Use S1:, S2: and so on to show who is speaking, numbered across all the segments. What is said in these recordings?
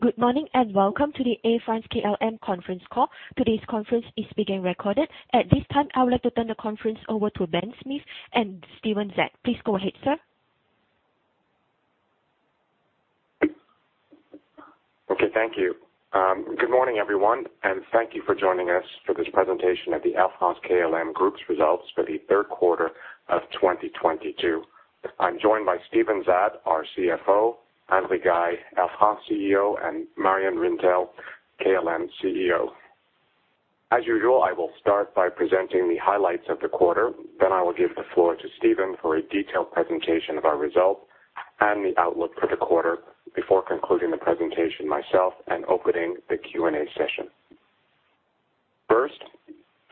S1: Good morning, and welcome to the Air France-KLM conference call. Today's conference is being recorded. At this time, I would like to turn the conference over to Benjamin Smith and Steven Zaat. Please go ahead, sir.
S2: Okay, thank you. Good morning, everyone, and thank you for joining us for this presentation of the Air France-KLM Group's results for the third quarter of 2022. I'm joined by Steven Zaat, our CFO, Anne Rigail, Air France CEO, and Marjan Rintel, KLM CEO. As usual, I will start by presenting the highlights of the quarter. Then I will give the floor to Steven for a detailed presentation of our results and the outlook for the quarter before concluding the presentation myself and opening the Q&A session. First,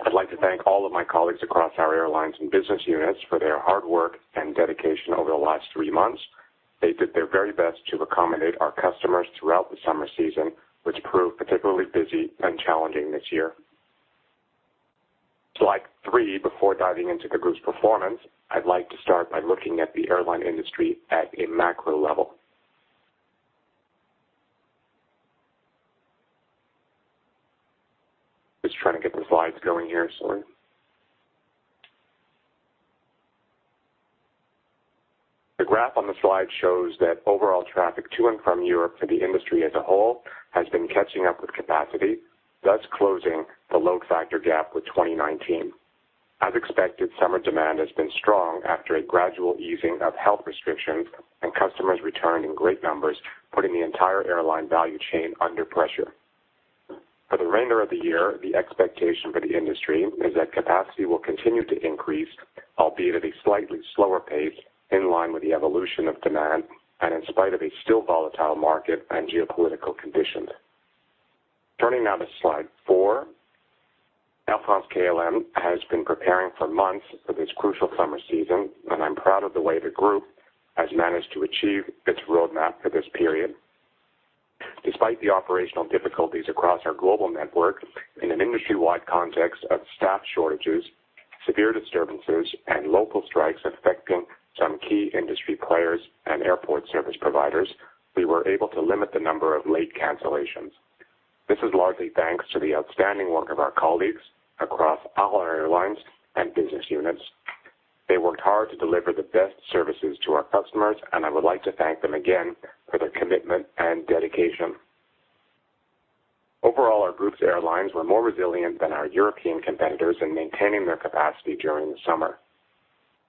S2: I'd like to thank all of my colleagues across our airlines and business units for their hard work and dedication over the last three months. They did their very best to accommodate our customers throughout the summer season, which proved particularly busy and challenging this year. Slide 3. Before diving into the group's performance, I'd like to start by looking at the airline industry at a macro level. Just trying to get the slides going here, sorry. The graph on the slide shows that overall traffic to and from Europe for the industry as a whole has been catching up with capacity, thus closing the load factor gap with 2019. As expected, summer demand has been strong after a gradual easing of health restrictions and customers returned in great numbers, putting the entire airline value chain under pressure. For the remainder of the year, the expectation for the industry is that capacity will continue to increase, albeit at a slightly slower pace, in line with the evolution of demand and in spite of a still volatile market and geopolitical conditions. Turning now to slide 4. Air France-KLM has been preparing for months for this crucial summer season, and I'm proud of the way the group has managed to achieve its roadmap for this period. Despite the operational difficulties across our global network in an industry-wide context of staff shortages, severe disturbances, and local strikes affecting some key industry players and airport service providers, we were able to limit the number of late cancellations. This is largely thanks to the outstanding work of our colleagues across all our airlines and business units. They worked hard to deliver the best services to our customers, and I would like to thank them again for their commitment and dedication. Overall, our group's airlines were more resilient than our European competitors in maintaining their capacity during the summer.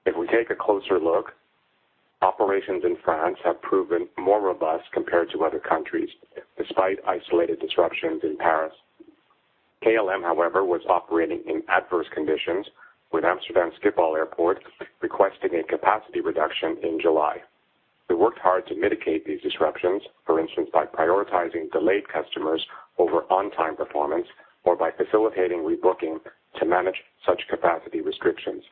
S2: If we take a closer look, operations in France have proven more robust compared to other countries, despite isolated disruptions in Paris. KLM, however, was operating in adverse conditions, with Amsterdam Schiphol Airport requesting a capacity reduction in July. We worked hard to mitigate these disruptions, for instance, by prioritizing delayed customers over on-time performance or by facilitating rebooking to manage such capacity restrictions.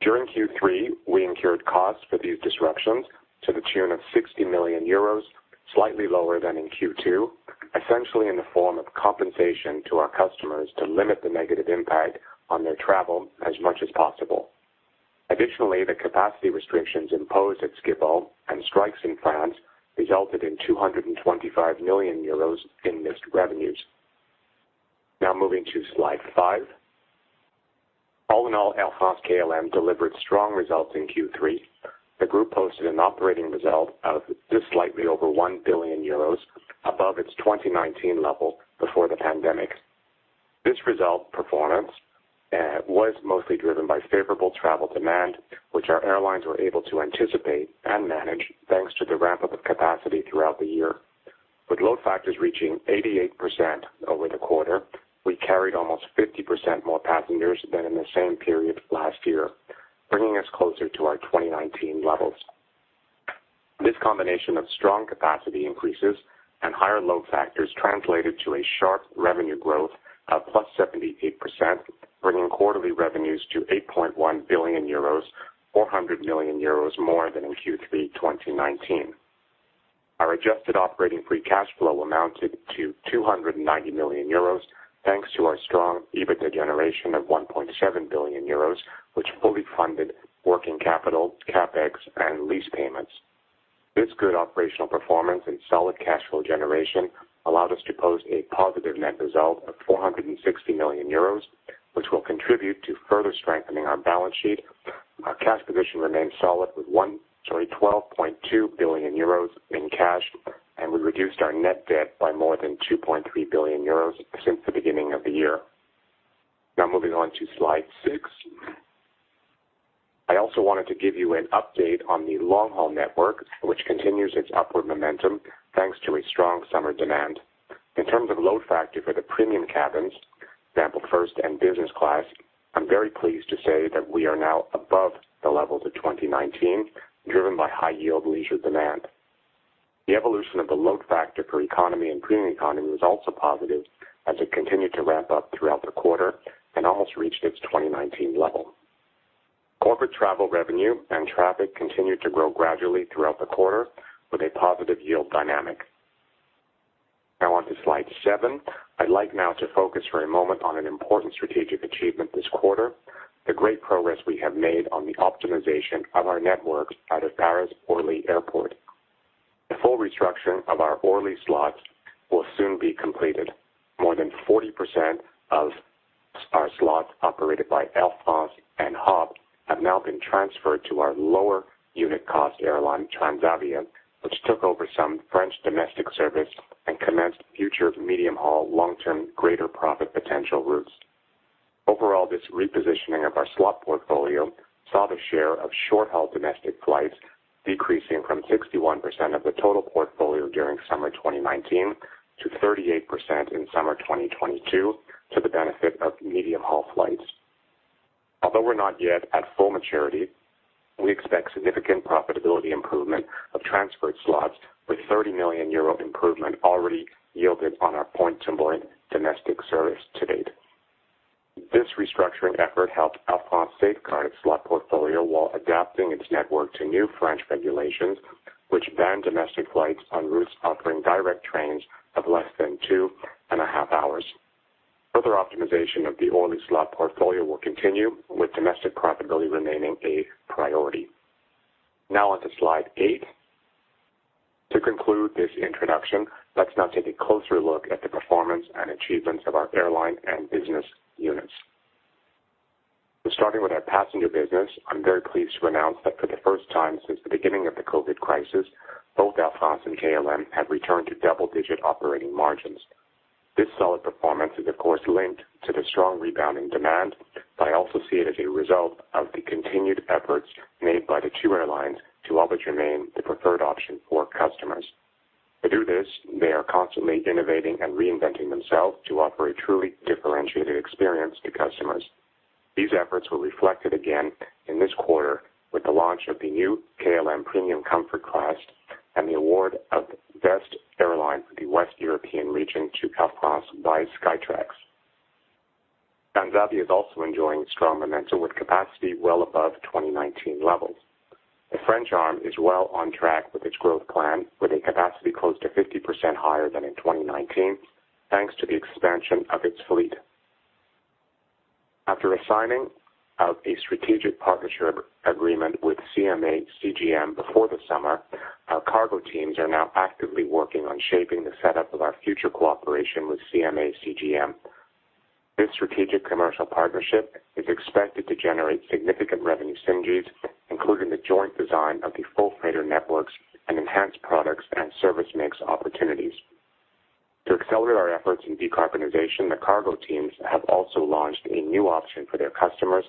S2: During Q3, we incurred costs for these disruptions to the tune of 60 million euros, slightly lower than in Q2, essentially in the form of compensation to our customers to limit the negative impact on their travel as much as possible. Additionally, the capacity restrictions imposed at Schiphol and strikes in France resulted in 225 million euros in missed revenues. Now moving to slide 5. All in all, Air France-KLM delivered strong results in Q3. The group posted an operating result of just slightly over 1 billion euros above its 2019 level before the pandemic. This result performance was mostly driven by favorable travel demand, which our airlines were able to anticipate and manage thanks to the ramp up of capacity throughout the year. With load factors reaching 88% over the quarter, we carried almost 50% more passengers than in the same period last year, bringing us closer to our 2019 levels. This combination of strong capacity increases and higher load factors translated to a sharp revenue growth of +78%, bringing quarterly revenues to 8.1 billion euros, 400 million euros more than in Q3 2019. Our adjusted operating free cash flow amounted to 290 million euros, thanks to our strong EBITDA generation of 1.7 billion euros, which fully funded working capital, CapEx, and lease payments. This good operational performance and solid cash flow generation allowed us to post a positive net result of 460 million euros, which will contribute to further strengthening our balance sheet. Our cash position remains solid with 12.2 billion euros in cash, and we reduced our net debt by more than 2.3 billion euros since the beginning of the year. Now moving on to slide six. I also wanted to give you an update on the long-haul network, which continues its upward momentum, thanks to a strong summer demand. In terms of load factor for the premium cabins, such as first and business class, I'm very pleased to say that we are now above the levels of 2019, driven by high yield leisure demand. The evolution of the load factor for economy and premium economy was also positive as it continued to ramp up throughout the quarter and almost reached its 2019 level. Corporate travel revenue and traffic continued to grow gradually throughout the quarter with a positive yield dynamic. To slide seven. I'd like now to focus for a moment on an important strategic achievement this quarter, the great progress we have made on the optimization of our networks out of Paris Orly Airport. The full restructuring of our Orly slots will soon be completed. More than 40% of our slots operated by Air France and HOP! have now been transferred to our lower unit cost airline, Transavia, which took over some French domestic service and commenced future medium-haul long-term greater profit potential routes. Overall, this repositioning of our slot portfolio saw the share of short-haul domestic flights decreasing from 61% of the total portfolio during summer 2019 to 38% in summer 2022 to the benefit of medium-haul flights. Although we're not yet at full maturity, we expect significant profitability improvement of transferred slots with 30 million euro improvement already yielded on our point-to-point domestic service to date. This restructuring effort helped Air France safeguard its slot portfolio while adapting its network to new French regulations, which ban domestic flights on routes offering direct trains of less than two and a half hours. Further optimization of the Orly slot portfolio will continue, with domestic profitability remaining a priority. Now on to slide 8. To conclude this introduction, let's now take a closer look at the performance and achievements of our airline and business units. Starting with our passenger business, I'm very pleased to announce that for the first time since the beginning of the COVID crisis, both Air France and KLM have returned to double-digit operating margins. This solid performance is of course linked to the strong rebounding demand, but I also see it as a result of the continued efforts made by the two airlines to always remain the preferred option for customers. To do this, they are constantly innovating and reinventing themselves to offer a truly differentiated experience to customers. These efforts were reflected again in this quarter with the launch of the new KLM Premium Comfort class and the award of Best Airline for the West European region to Air France by Skytrax. Transavia is also enjoying strong momentum with capacity well above 2019 levels. The French arm is well on track with its growth plan, with a capacity close to 50% higher than in 2019, thanks to the expansion of its fleet. After signing a strategic partnership agreement with CMA CGM before the summer, our cargo teams are now actively working on shaping the setup of our future cooperation with CMA CGM. This strategic commercial partnership is expected to generate significant revenue synergies, including the joint design of the full freighter networks and enhanced products and service mix opportunities. To accelerate our efforts in decarbonization, the cargo teams have also launched a new option for their customers,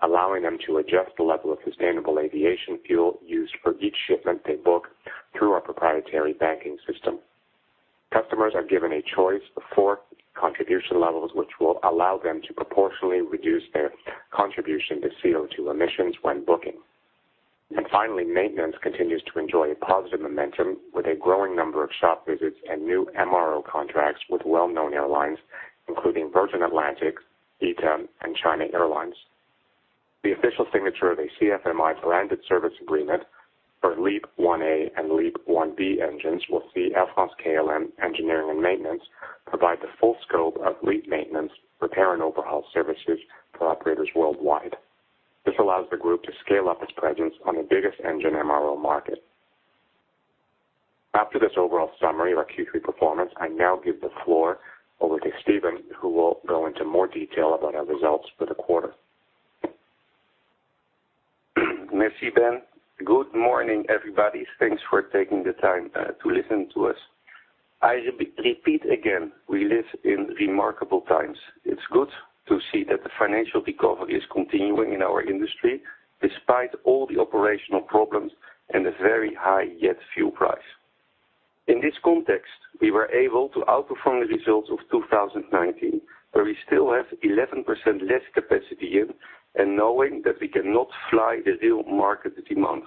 S2: allowing them to adjust the level of sustainable aviation fuel used for each shipment they book through our proprietary banking system. Customers are given a choice of four contribution levels, which will allow them to proportionally reduce their contribution to CO2 emissions when booking. Finally, maintenance continues to enjoy a positive momentum with a growing number of shop visits and new MRO contracts with well-known airlines, including Virgin Atlantic, ITA, and China Airlines. The official signature of a CFMI branded service agreement for LEAP-1A and LEAP-1B engines will see Air France Industries KLM Engineering & Maintenance provide the full scope of LEAP maintenance, repair and overhaul services for operators worldwide. This allows the group to scale up its presence on the biggest engine MRO market. After this overall summary of our Q3 performance, I now give the floor over to Steven, who will go into more detail about our results for the quarter.
S3: Merci, Ben. Good morning, everybody. Thanks for taking the time to listen to us. I repeat again, we live in remarkable times. It's good to see that the financial recovery is continuing in our industry despite all the operational problems and the very high jet fuel price. In this context, we were able to outperform the results of 2019, where we still have 11% less capacity in, and knowing that we cannot fly the real market demand.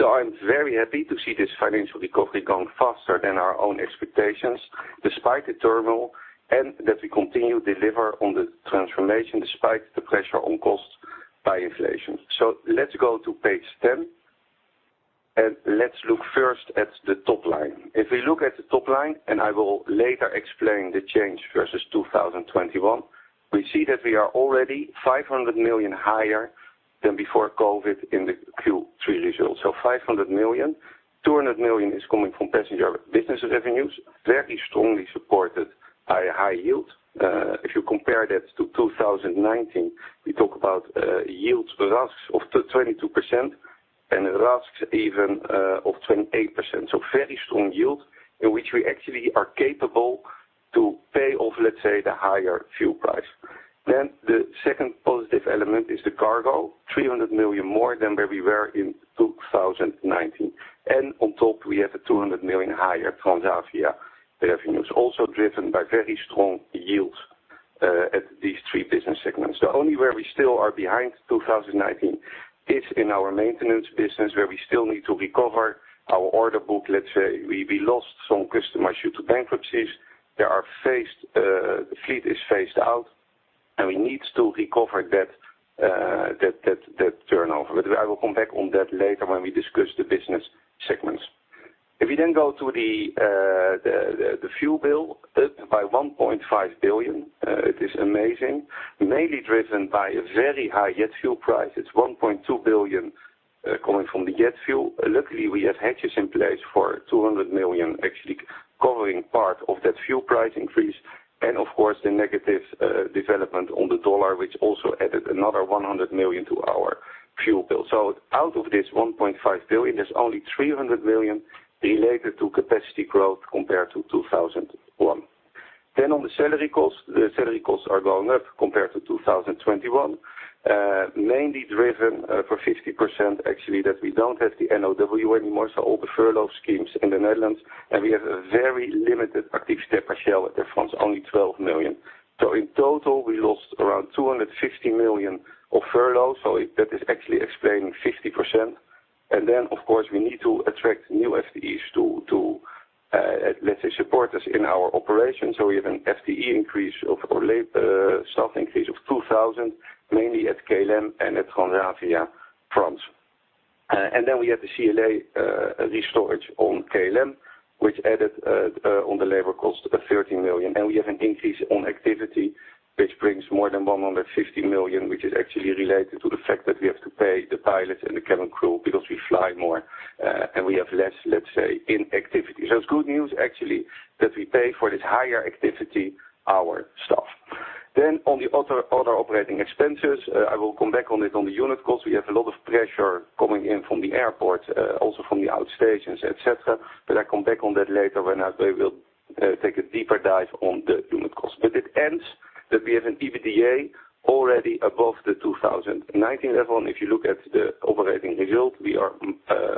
S3: I'm very happy to see this financial recovery going faster than our own expectations despite the turmoil, and that we continue to deliver on the transformation despite the pressure on costs by inflation. Let's go to page 10, and let's look first at the top line. If we look at the top line, and I will later explain the change versus 2021, we see that we are already 500 million higher than before COVID in the Q3 results. 500 million. 200 million is coming from passenger business revenues, very strongly supported by high yield. If you compare that to 2019, we talk about yields RASK of 22% and RASKs even of 28%. Very strong yield in which we actually are capable to pay off, let's say, the higher fuel price. The second positive element is the cargo, 300 million more than where we were in 2019. On top, we have a 200 million higher Transavia revenues, also driven by very strong yields at these three business segments. The only area where we still are behind 2019 is in our maintenance business, where we still need to recover our order book. Let's say we lost some customers due to bankruptcies. The fleet is phased out and we need to recover that turnover. I will come back on that later when we discuss the business segments. If you then go to the fuel bill up by 1.5 billion, it is amazing. Mainly driven by a very high jet fuel price. It's 1.2 billion coming from the jet fuel. Luckily, we have hedges in place for 200 million actually covering part of that fuel price increase. Of course, the negative development on the US dollar, which also added another 100 million to our fuel bill. Out of this 1.5 billion, there's only 300 million related to capacity growth compared to 2001. On the salary costs, the salary costs are going up compared to 2021. Mainly driven for 50% actually that we don't have the NOW anymore, so all the furlough schemes in the Netherlands. We have a very limited Activité Partielle that runs only 12 million. In total, we lost around 250 million of furlough. That is actually explaining 50%. Of course, we need to attract new FTEs to let's say support us in our operations. We have an FTE increase of or staff increase of 2,000, mainly at KLM and at Transavia France. We have the CLA restructuring on KLM, which added to the labor cost of 13 million. We have an increase in activity which brings more than 150 million, which is actually related to the fact that we have to pay the pilots and the cabin crew because we fly more, and we have less, let's say, inactivity. It's good news actually that we pay for this higher activity, our staff. On the other operating expenses, I will come back to it on the unit cost. We have a lot of pressure coming in from the airport, also from the outstations, et cetera. I come back to that later when we will take a deeper dive on the unit cost. In the end, we have an EBITDA already above the 2019 level. If you look at the operating result, we are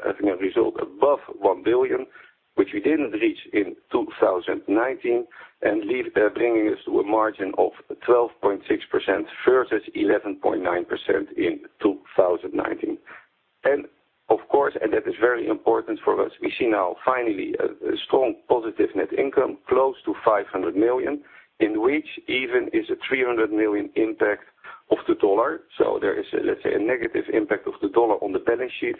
S3: having a result above 1 billion, which we didn't reach in 2019, indeed bringing us to a margin of 12.6% versus 11.9% in 2019. Of course, that is very important for us. We see now finally a strong positive net income close to 500 million, in which there even is a 300 million impact of the dollar. There is, let's say, a negative impact of the dollar on the balance sheet,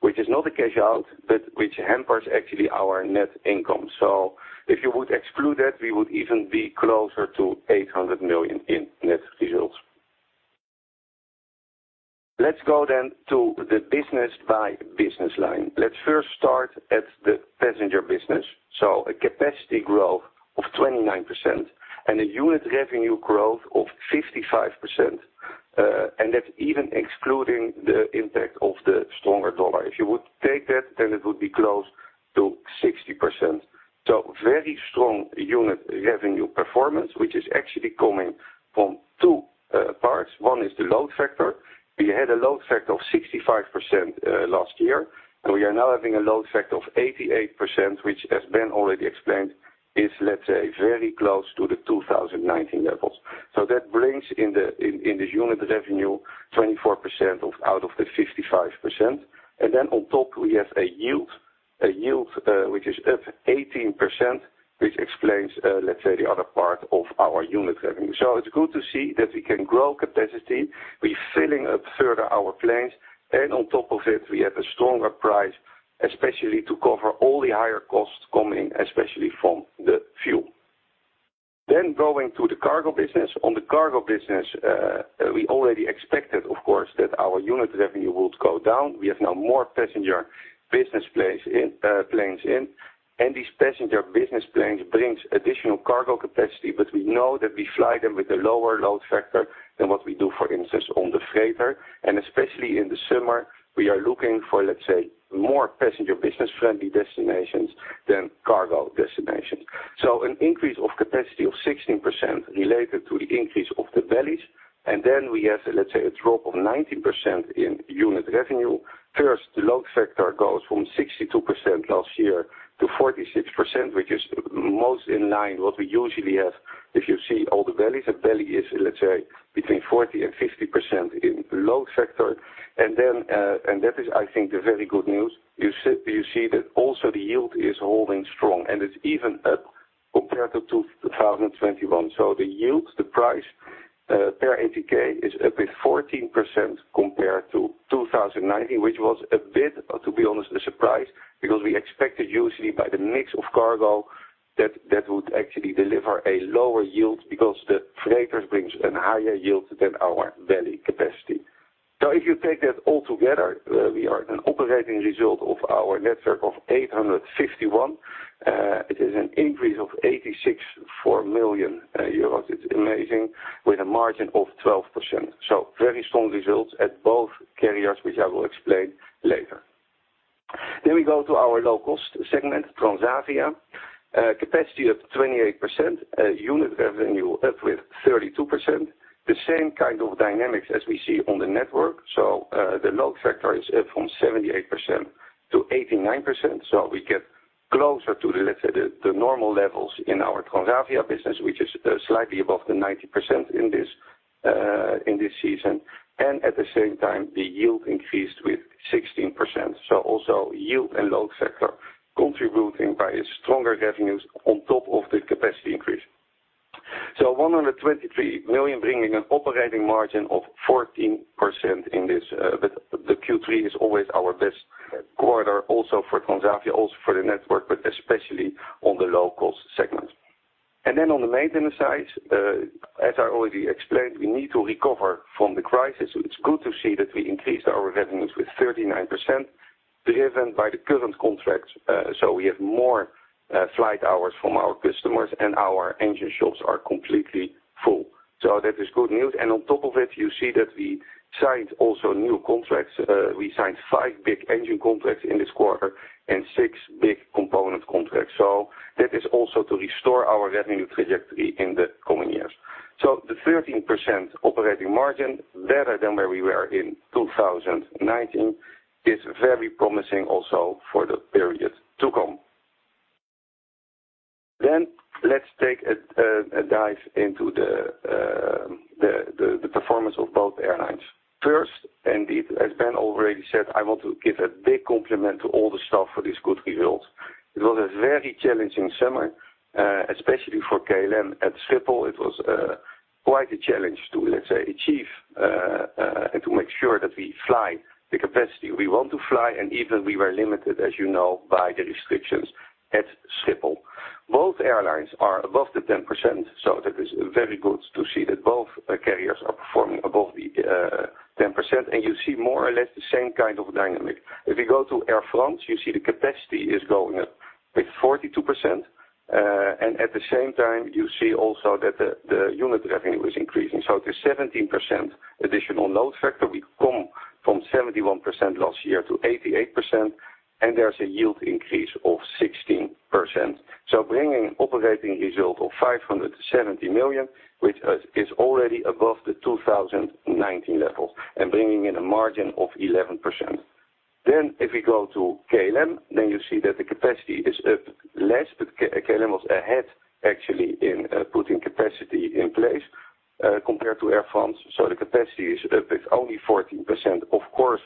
S3: which is not a cash out, but which hampers actually our net income. If you would exclude that, we would even be closer to 800 million in net results. Let's go then to the business by business line. Let's first start at the passenger business. A capacity growth of 29% and a unit revenue growth of 55%, and that's even excluding the impact of the stronger US dollar. If you would take that, then it would be close to 60%. Very strong unit revenue performance, which is actually coming from two parts. One is the load factor. We had a load factor of 65% last year, and we are now having a load factor of 88%, which as Ben already explained, is, let's say, very close to the 2019 levels. That brings in the in the unit revenue, 24% out of the 55%. Then on top, we have a yield, which is up 18%, which explains, let's say, the other part of our unit revenue. It's good to see that we can grow capacity. We're filling up further our planes, and on top of it, we have a stronger price, especially to cover all the higher costs coming, especially from the fuel. Going to the cargo business. On the cargo business, we already expected, of course, that our unit revenue would go down. We have now more passenger business planes, and these passenger business planes brings additional cargo capacity. But we know that we fly them with a lower load factor than what we do, for instance, on the freighter. Especially in the summer, we are looking for, let's say, more passenger business-friendly destinations than cargo destinations. An increase of capacity of 16% related to the increase of the bellies. We have, let's say, a drop of 19% in unit revenue. First, the load factor goes from 62% last year to 46%, which is most in line what we usually have. If you see all the bellies, a belly is, let's say, between 40% and 50% in load factor. That is, I think, the very good news. You see that also the yield is holding strong and it's even up compared to 2021. The yield, the price, per ATK is up by 14% compared to 2019, which was a bit, to be honest, a surprise because we expected usually by the mix of cargo that would actually deliver a lower yield because the freighters brings in higher yield than our belly capacity. If you take that all together, we have an operating result of our network of 851 million. It is an increase of 864 million euros. It's amazing. With a margin of 12%. Very strong results at both carriers, which I will explain later. We go to our low-cost segment, Transavia. Capacity up 28%, unit revenue up by 32%. The same kind of dynamics as we see on the network. The load factor is up from 78% to 89%. We get closer to, let's say, the normal levels in our Transavia business, which is slightly above the 90% in this season, and at the same time, the yield increased with 16%. Yield and load factor contributing by stronger revenues on top of the capacity increase. 123 million, bringing an operating margin of 14% in this, the Q3 is always our best quarter also for Transavia, also for the network, but especially on the low-cost segment. Then on the maintenance side, as I already explained, we need to recover from the crisis. It's good to see that we increased our revenues with 39%, driven by the current contracts, so we have more flight hours from our customers, and our engine shops are completely full. That is good news. On top of it, you see that we signed also new contracts. We signed 5 big engine contracts in this quarter and 6 big component contracts. That is also to restore our revenue trajectory in the coming years. The 13% operating margin, better than where we were in 2019, is very promising also for the period to come. Let's take a dive into the performance of both airlines. Indeed, as Ben already said, I want to give a big compliment to all the staff for this good result. It was a very challenging summer, especially for KLM. At Schiphol, it was quite a challenge to, let's say, achieve and to make sure that we fly the capacity we want to fly. Even we were limited, as you know, by the restrictions at Schiphol. Both airlines are above the 10%, so that is very good to see that both carriers are performing above the 10%. You see more or less the same kind of dynamic. If you go to Air France, you see the capacity is going up with 42%. And at the same time, you see also that the unit revenue is increasing. The 17% additional load factor, we come from 71% last year to 88%, and there's a yield increase of 16%. Bringing operating result of 570 million, which is already above the 2019 levels and bringing in a margin of 11%. If you go to KLM, you see that the capacity is up less, but KLM was ahead actually in putting capacity in place compared to Air France. The capacity is up with only 14%, of course,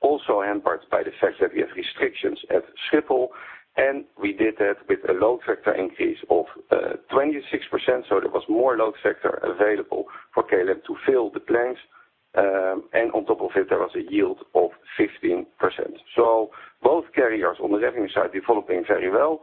S3: also hampered by the fact that we have restrictions at Schiphol, and we did that with a load factor increase of 26%. There was more load factor available for KLM to fill the planes. On top of it, there was a yield of 15%. Both carriers on the revenue side developing very well.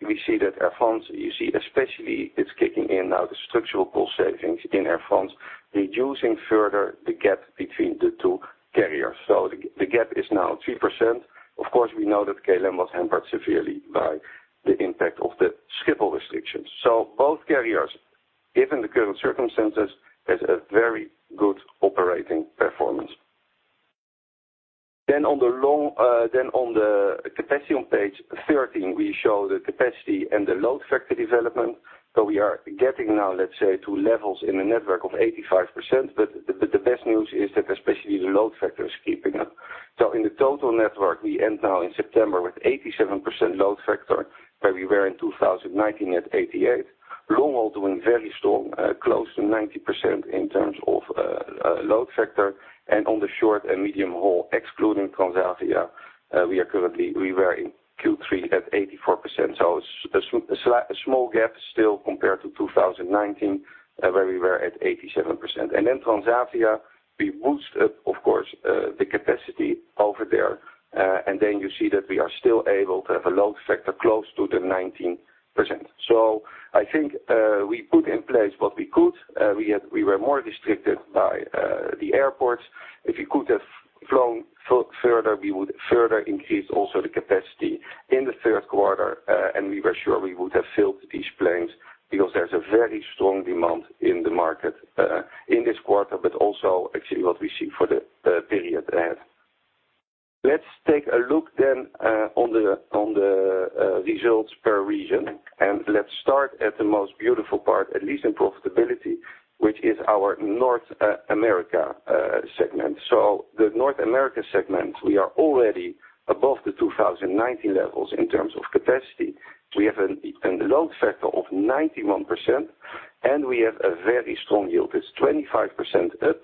S3: We see that Air France, you see especially it's kicking in now, the structural cost savings in Air France, reducing further the gap between the two carriers. The gap is now 3%. Of course, we know that KLM was hampered severely by the impact of the Schiphol restrictions. Both carriers, given the current circumstances, has a very good operating performance. On the capacity on page 13, we show the capacity and the load factor development. We are getting now, let's say, to levels in the network of 85%. But the best news is that especially the load factor is keeping up. In the total network, we end now in September with 87% load factor, where we were in 2019 at 88%. Long-haul doing very strong, close to 90% in terms of load factor. On the short and medium-haul, excluding Transavia, we were in Q3 at 84%. A slight, small gap still compared to 2019, where we were at 87%. Transavia, we boost up, of course, the capacity over there. You see that we are still able to have a load factor close to the 19%. I think we put in place what we could. We were more restricted by the airports. If we could have flown further, we would further increase also the capacity in the third quarter. We were sure we would have filled these planes because there's a very strong demand in the market in this quarter, but also actually what we see for the period ahead. Let's take a look on the results per region. Let's start at the most beautiful part, at least in profitability, which is our North America segment. The North America segment, we are already above the 2019 levels in terms of capacity. We have a load factor of 91%, and we have a very strong yield. It's 25% up,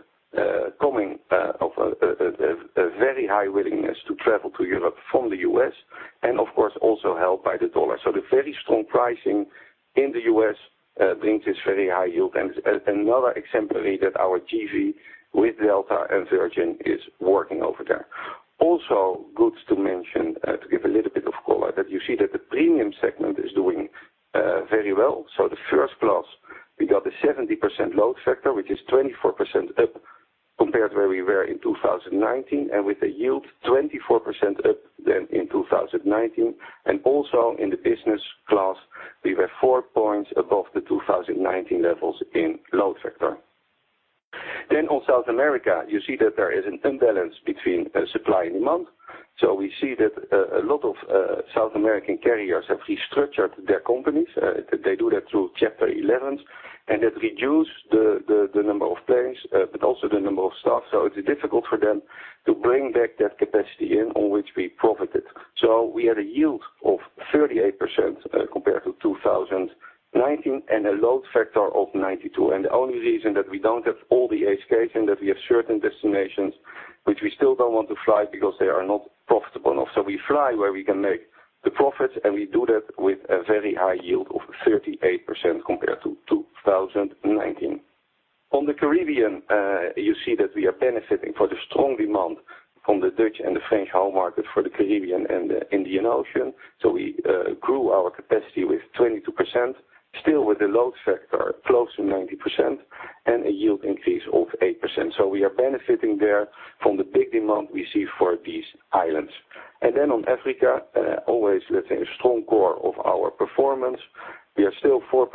S3: coming of a very high willingness to travel to Europe from the U.S. and of course, also helped by the dollar. The very strong pricing in the U.S. brings this very high yield. Another exemplary that our JV with Delta and Virgin is working over there. Also, good to mention, to give a little bit of color, that you see that the premium segment is doing very well. The first class, we got a 70% load factor, which is 24% up compared to where we were in 2019, and with a yield 24% up than in 2019. In the business class, we were four points above the 2019 levels in load factor. On South America, you see that there is an imbalance between supply and demand. We see that a lot of South American carriers have restructured their companies. They do that through Chapter 11, and that reduced the number of planes, but also the number of staff. It's difficult for them to bring back that capacity upon which we profited. We had a yield of 38% compared to 2019, and a load factor of 92%. The only reason that we don't have all the seats and that we have certain destinations which we still don't want to fly because they are not profitable enough. We fly where we can make the profits, and we do that with a very high yield of 38% compared to 2019. On the Caribbean, you see that we are benefiting from the strong demand from the Dutch and the French home market for the Caribbean and the Indian Ocean. We grew our capacity with 22%, still with a load factor close to 90% and a yield increase of 8%. We are benefiting there from the big demand we see for these islands. On Africa, always, let's say, a strong core of our performance. We are still 4%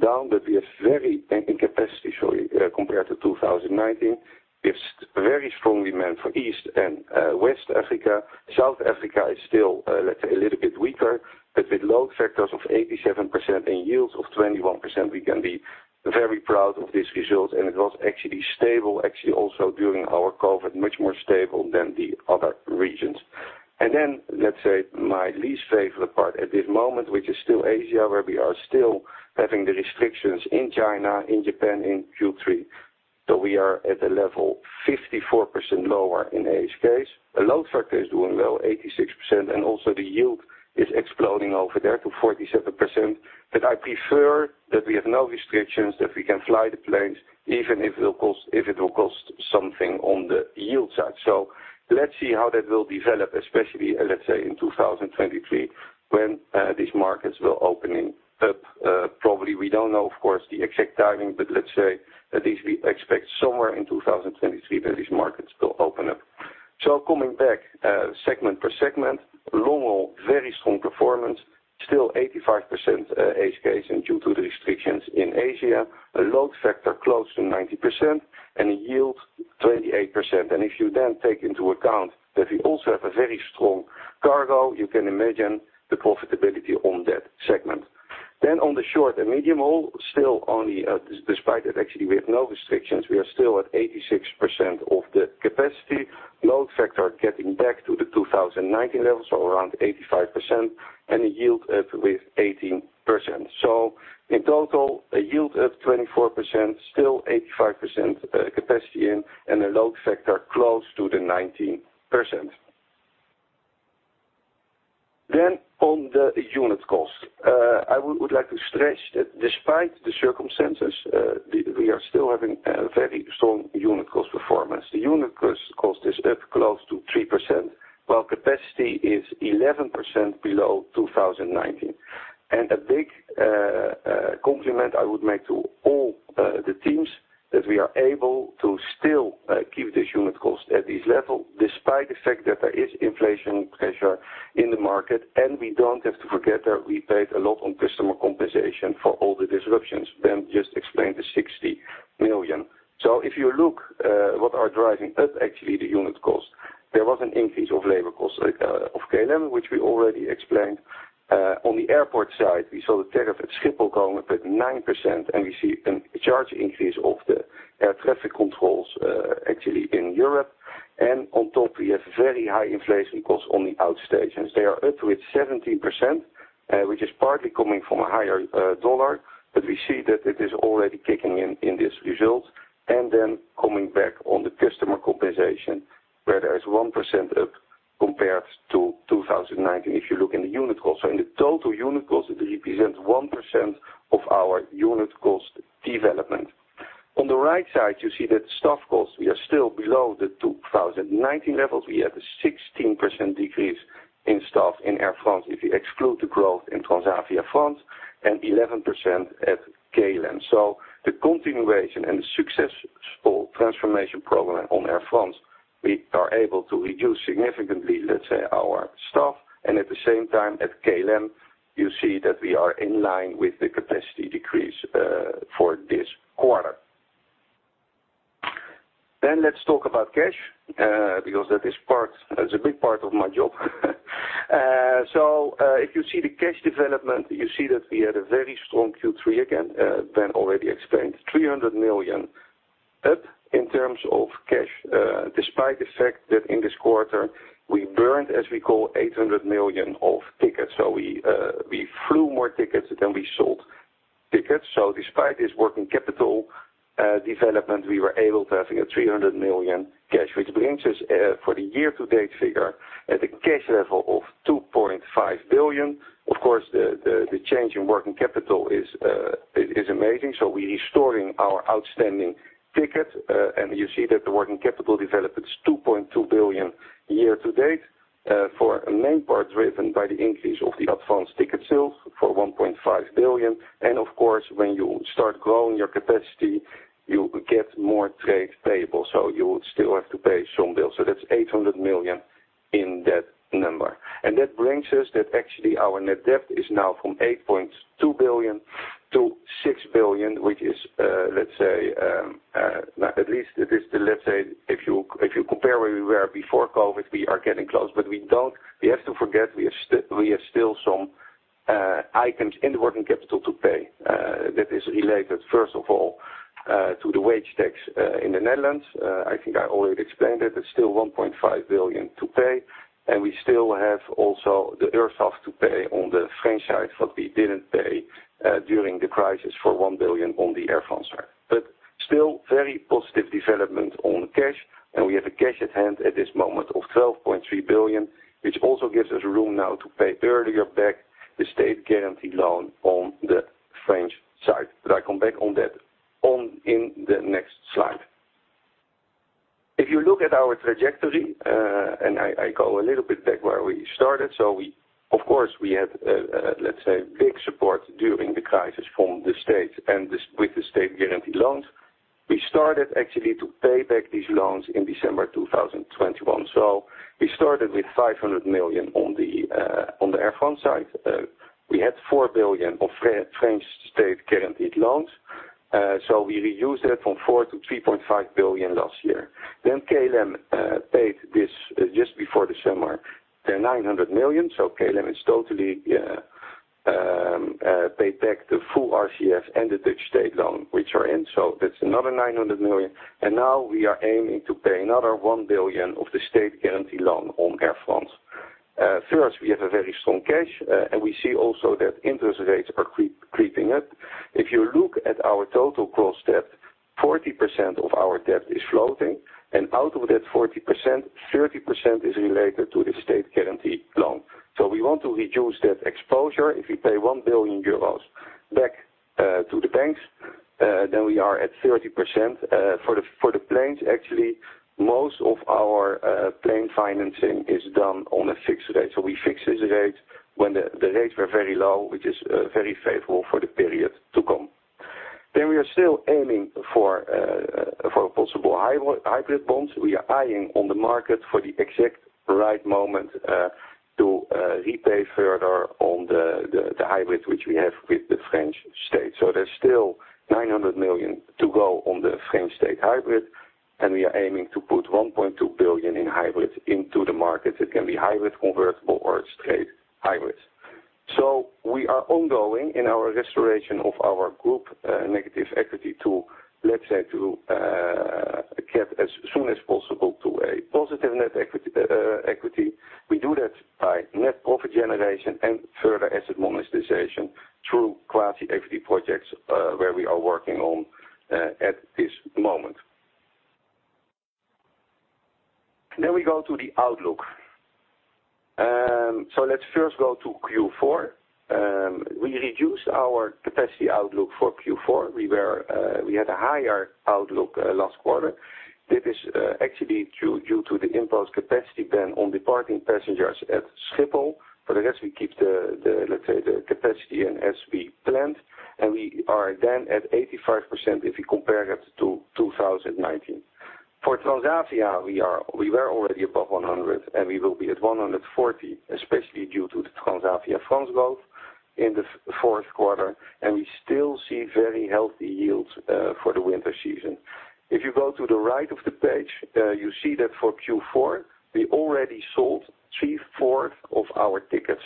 S3: down, but we are very thin in capacity, sorry, compared to 2019, with very strong demand for East and West Africa. South Africa is still, let's say, a little bit weaker. With load factors of 87% and yields of 21%, we can be very proud of this result. It was actually stable, actually, also during our COVID, much more stable than the other regions. Then let's say my least favorite part at this moment, which is still Asia, where we are still having the restrictions in China, in Japan in Q3. We are at a level 54% lower in ASKs. The load factor is doing well, 86%, and also the yield is exploding over there to 47%. I prefer that we have no restrictions, that we can fly the planes, even if it will cost, if it will cost something on the yield side. Let's see how that will develop, especially, let's say, in 2023, when these markets will opening up. Probably, we don't know, of course, the exact timing, but let's say at least we expect somewhere in 2023 that these markets will open up. Coming back, segment per segment, long-haul, very strong performance, still 85% ASKs and due to the restrictions in Asia, a load factor close to 90% and a yield 28%. If you then take into account that we also have a very strong cargo, you can imagine the profitability on that segment. On the short and medium-haul, still only, despite that actually we have no restrictions, we are still at 86% of the capacity. Load factor getting back to the 2019 levels, so around 85% and a yield up with 18%. In total, a yield of 24%, still 85% capacity, and a load factor close to the 19%. On the unit cost. I would like to stress that despite the circumstances, we are still having a very strong unit cost performance. The unit cost is up close to 3%, while capacity is 11% below 2019. A big compliment I would make to all the teams that we are able to still keep this unit cost at this level despite the fact that there is inflation pressure in the market. We don't have to forget that we paid a lot on customer compensation for all the disruptions. Ben just explained the 60 million. If you look, what are driving up actually the unit cost, there was an increase of labor cost of KLM, which we already explained. On the airport side, we saw the tariff at Schiphol going up at 9%, and we see a charge increase of the air traffic control, actually in Europe. On top, we have very high inflation costs on the outstations. They are up with 17%, which is partly coming from a higher dollar. We see that it is already kicking in in this result. Then coming back on the customer compensation, where there is 1% up compared to 2019, if you look in the unit cost. In the total unit cost, it represents 1% of our unit cost development. On the right side, you see that staff costs, we are still below the 2019 levels. We have a 16% decrease in staff in Air France, if you exclude the growth in Transavia France and 11% at KLM. The continuation and the successful transformation program on Air France, we are able to reduce significantly, let's say, our staff. At the same time, at KLM, you see that we are in line with the capacity decrease for this quarter. Let's talk about cash, because that is part, that's a big part of my job. If you see the cash development, you see that we had a very strong Q3 again. Ben already explained 300 million up in terms of cash, despite the fact that in this quarter we burned, as we call, 800 million of tickets. We flew more tickets than we sold tickets. Despite this working capital development, we were able to have 300 million cash, which brings us for the year-to-date figure at a cash level of 2.5 billion. Of course, the change in working capital is amazing. We're restoring our outstanding ticket and you see that the working capital development is 2.2 billion year-to-date, for a main part driven by the increase of the advanced ticket sales for 1.5 billion. Of course, when you start growing your capacity, you get more trade payable, so you still have to pay some bills. That's 800 million in that number. That brings us that actually our net debt is now from 8.2 billion to 6 billion, which is, let's say, at least, let's say, if you compare where we were before COVID, we are getting close. We can't forget we still have some items in the working capital to pay, that is related, first of all, to the wage tax in the Netherlands. I think I already explained it. There's still 1.5 billion to pay. We still have also the Air France to pay on the franchise, what we didn't pay during the crisis for 1 billion on the Air France side. still very positive development on the cash, and we have cash at hand at this moment of 12.3 billion, which also gives us room now to pay earlier back the state guarantee loan on the French side. I come back on that in the next slide. If you look at our trajectory, and I go a little bit back where we started. Of course, we had, let's say, big support during the crisis from the state and this, with the state guaranteed loans. We started actually to pay back these loans in December 2021. We started with 500 million on the Air France side. We had 4 billion of French state guaranteed loans. We reduced that from 4 billion to 3.5 billion last year. KLM paid this just before December, their 900 million. KLM is totally paid back the full RCFs and the Dutch state loan which are in. That's another 900 million. Now we are aiming to pay another 1 billion of the state guarantee loan on Air France. First, we have a very strong cash, and we see also that interest rates are creeping up. If you look at our total gross debt, 40% of our debt is floating, and out of that 40%, 30% is related to the state guarantee loan. We want to reduce that exposure. If we pay 1 billion euros back to the banks, then we are at 30%. For the planes, actually, most of our plane financing is done on a fixed rate. We fix this rate when the rates were very low, which is very favorable for the period to come. We are still aiming for possible hybrid bonds. We are eyeing on the market for the exact right moment to repay further on the hybrid which we have with the French state. There's still 900 million to go on the French state hybrid, and we are aiming to put 1.2 billion in hybrids into the market. It can be hybrid convertible or straight hybrids. We are ongoing in our restoration of our group negative equity to, let's say, get as soon as possible to a positive net equity. We do that by net profit generation and further asset monetization through Class A equity projects, where we are working on at this moment. Then we go to the outlook. Let's first go to Q4. We reduced our capacity outlook for Q4. We had a higher outlook last quarter. This is actually due to the imposed capacity ban on departing passengers at Schiphol. For the rest, we keep the capacity as we planned, and we are then at 85% if we compare it to 2019. For Transavia, we were already above 100, and we will be at 140, especially due to the Transavia France growth in the fourth quarter. We still see very healthy yields for the winter season. If you go to the right of the page, you see that for Q4, we already sold three-fourths of our tickets.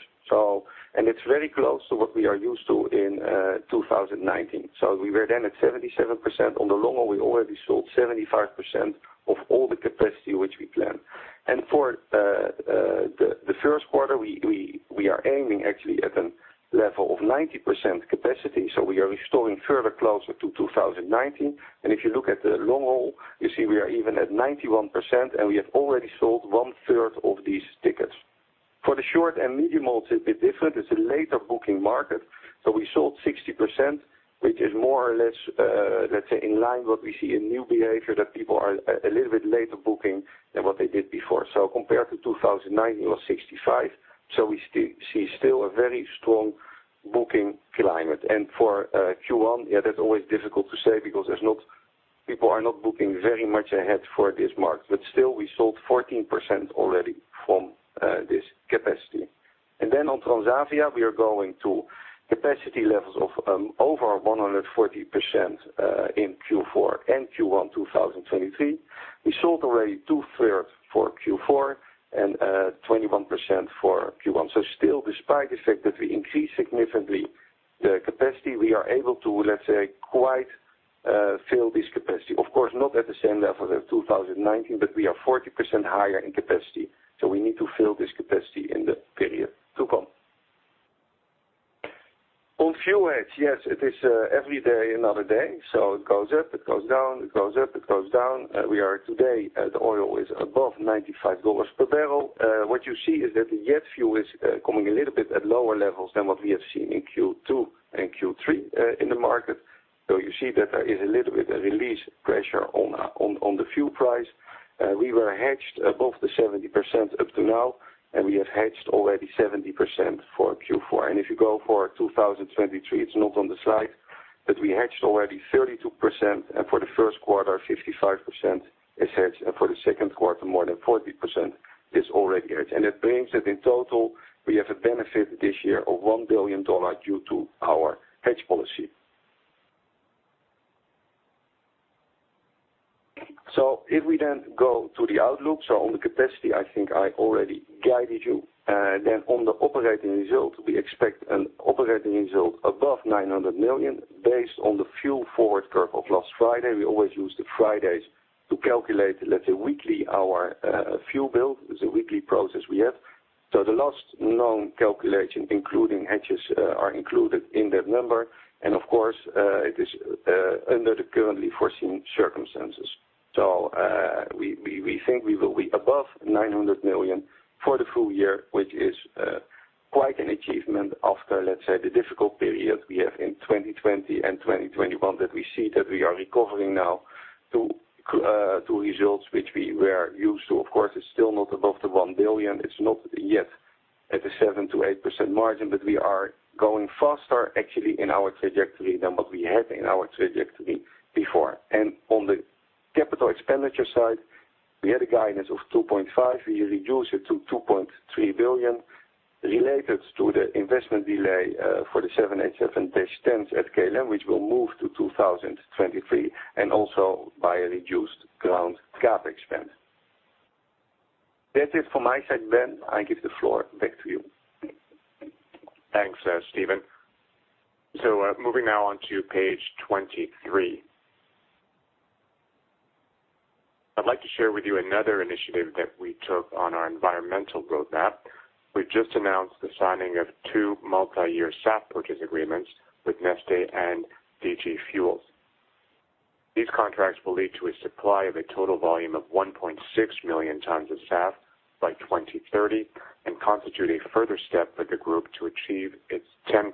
S3: It's very close to what we are used to in 2019. We were then at 77%. On the long haul, we already sold 75% of all the capacity which we planned. For the first quarter, we are aiming actually at a level of 90% capacity. We are restoring further closer to 2019. If you look at the long haul, you see we are even at 91%, and we have already sold one-third of these tickets. For the short and medium haul, it's a bit different. It's a later booking market. We sold 60%, which is more or less, let's say, in line with what we see in new behavior that people are a little bit later booking than what they did before. Compared to 2019, it was 65%. We see still a very strong booking climate. For Q1, that's always difficult to say because people are not booking very much ahead for this market. Still, we sold 14% already from this capacity. Then on Transavia, we are going to capacity levels of over 140% in Q4 and Q1 2023. We sold already two-thirds for Q4 and 21% for Q1. Still, despite the fact that we increased significantly the capacity, we are able to, let's say, quite fill this capacity. Of course, not at the same level as 2019, but we are 40% higher in capacity. We need to fill this capacity in the period to come. On fuel hedge, yes, it is every day another day. It goes up, it goes down, it goes up, it goes down. Today, the oil is above $95 per barrel. What you see is that the jet fuel is coming in at a little bit lower levels than what we have seen in Q2 and Q3 in the market. You see that there is a little bit releasing pressure on the fuel price. We were hedged above the 70% up to now, and we have hedged already 70% for Q4. If you go for 2023, it's not on the slide, but we hedged already 32%. For the first quarter, 55% is hedged. For the second quarter, more than 40% is already hedged. That brings that in total, we have a benefit this year of $1 billion due to our hedge policy. If we then go to the outlook, on the capacity, I think I already guided you. Then on the operating result, we expect an operating result above 900 million based on the fuel forward curve of last Friday. We always use the Fridays to calculate, let's say, weekly our fuel bill. It's a weekly process we have. The last known calculation, including hedges, are included in that number. Of course, it is under the currently foreseen circumstances. We think we will be above 900 million for the full year, which is quite an achievement after, let's say, the difficult period we have in 2020 and 2021, that we see that we are recovering now to results which we were used to. Of course, it's still not above 1 billion. It's not yet at the 7%-8% margin, but we are going faster actually in our trajectory than what we had in our trajectory before. On the capital expenditure side, we had a guidance of 2.5 billion. We reduce it to 2.3 billion related to the investment delay for the 787-10s at KLM, which will move to 2023, and also by a reduced ground CapEx spend. That's it for my side, Ben. I give the floor back to you.
S2: Thanks, Steven. Moving now on to page 23. I'd like to share with you another initiative that we took on our environmental roadmap. We've just announced the signing of two multi-year SAF purchase agreements with Neste and DG Fuels. These contracts will lead to a supply of a total volume of 1.6 million tons of SAF by 2030, and constitute a further step for the group to achieve its 10%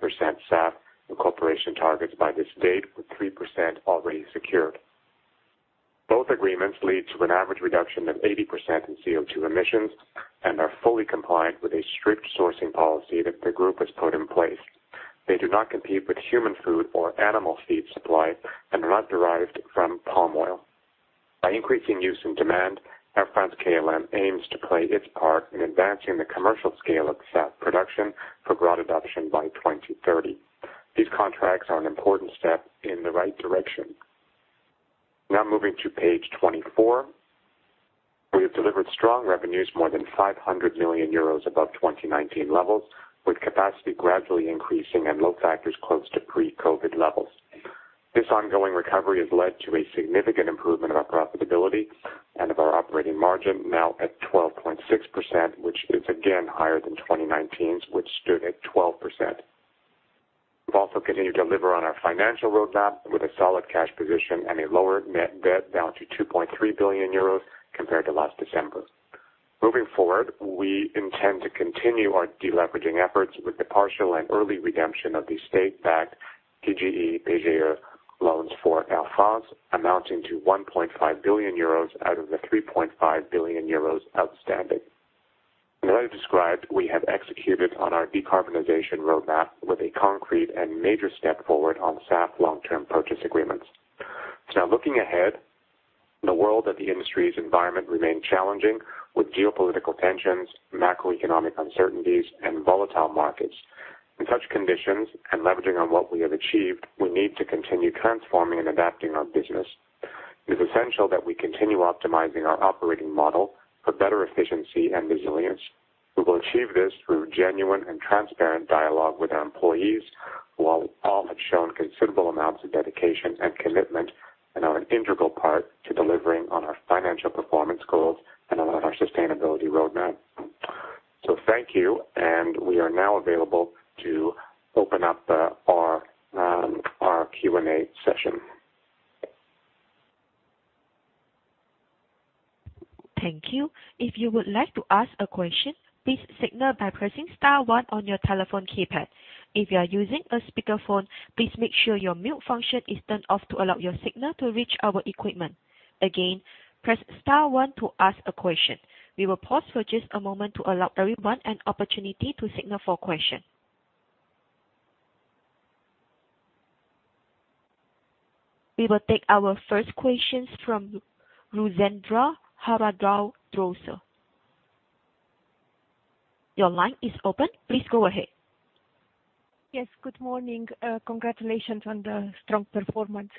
S2: SAF incorporation targets by this date, with 3% already secured. Both agreements lead to an average reduction of 80% in CO2 emissions and are fully compliant with a strict sourcing policy that the group has put in place. They do not compete with human food or animal feed supply and are not derived from palm oil. By increasing use and demand, Air France-KLM aims to play its part in advancing the commercial scale of SAF production for broad adoption by 2030. These contracts are an important step in the right direction. Now moving to page 24. We have delivered strong revenues, more than 500 million euros above 2019 levels, with capacity gradually increasing and load factors close to pre-COVID levels. This ongoing recovery has led to a significant improvement of our profitability and of our operating margin, now at 12.6%, which is again higher than 2019's, which stood at 12%. We've also continued to deliver on our financial roadmap with a solid cash position and a lower net debt, down to 2.3 billion euros compared to last December. Moving forward, we intend to continue our deleveraging efforts with the partial and early redemption of the state-backed PGE loans for Air France, amounting to 1.5 billion euros out of the 3.5 billion euros outstanding. As already described, we have executed on our decarbonization roadmap with a concrete and major step forward on SAF long-term purchase agreements. Now looking ahead, the world of the industry's environment remains challenging, with geopolitical tensions, macroeconomic uncertainties, and volatile markets. In such conditions and leveraging on what we have achieved, we need to continue transforming and adapting our business. It is essential that we continue optimizing our operating model for better efficiency and resilience. We will achieve this through genuine and transparent dialogue with our employees. While all have shown considerable amounts of dedication and commitment and are an integral part to delivering on our financial performance goals and on our sustainability roadmap. Thank you, and we are now available to open up our Q&A session.
S1: Thank you. If you would like to ask a question, please signal by pressing star one on your telephone keypad. If you are using a speakerphone, please make sure your mute function is turned off to allow your signal to reach our equipment. Again, press star one to ask a question. We will pause for just a moment to allow everyone an opportunity to signal for a question. We will take our first question from Ruxandra Haradau-Doser. Your line is open. Please go ahead.
S4: Yes, good morning. Congratulations on the strong performance.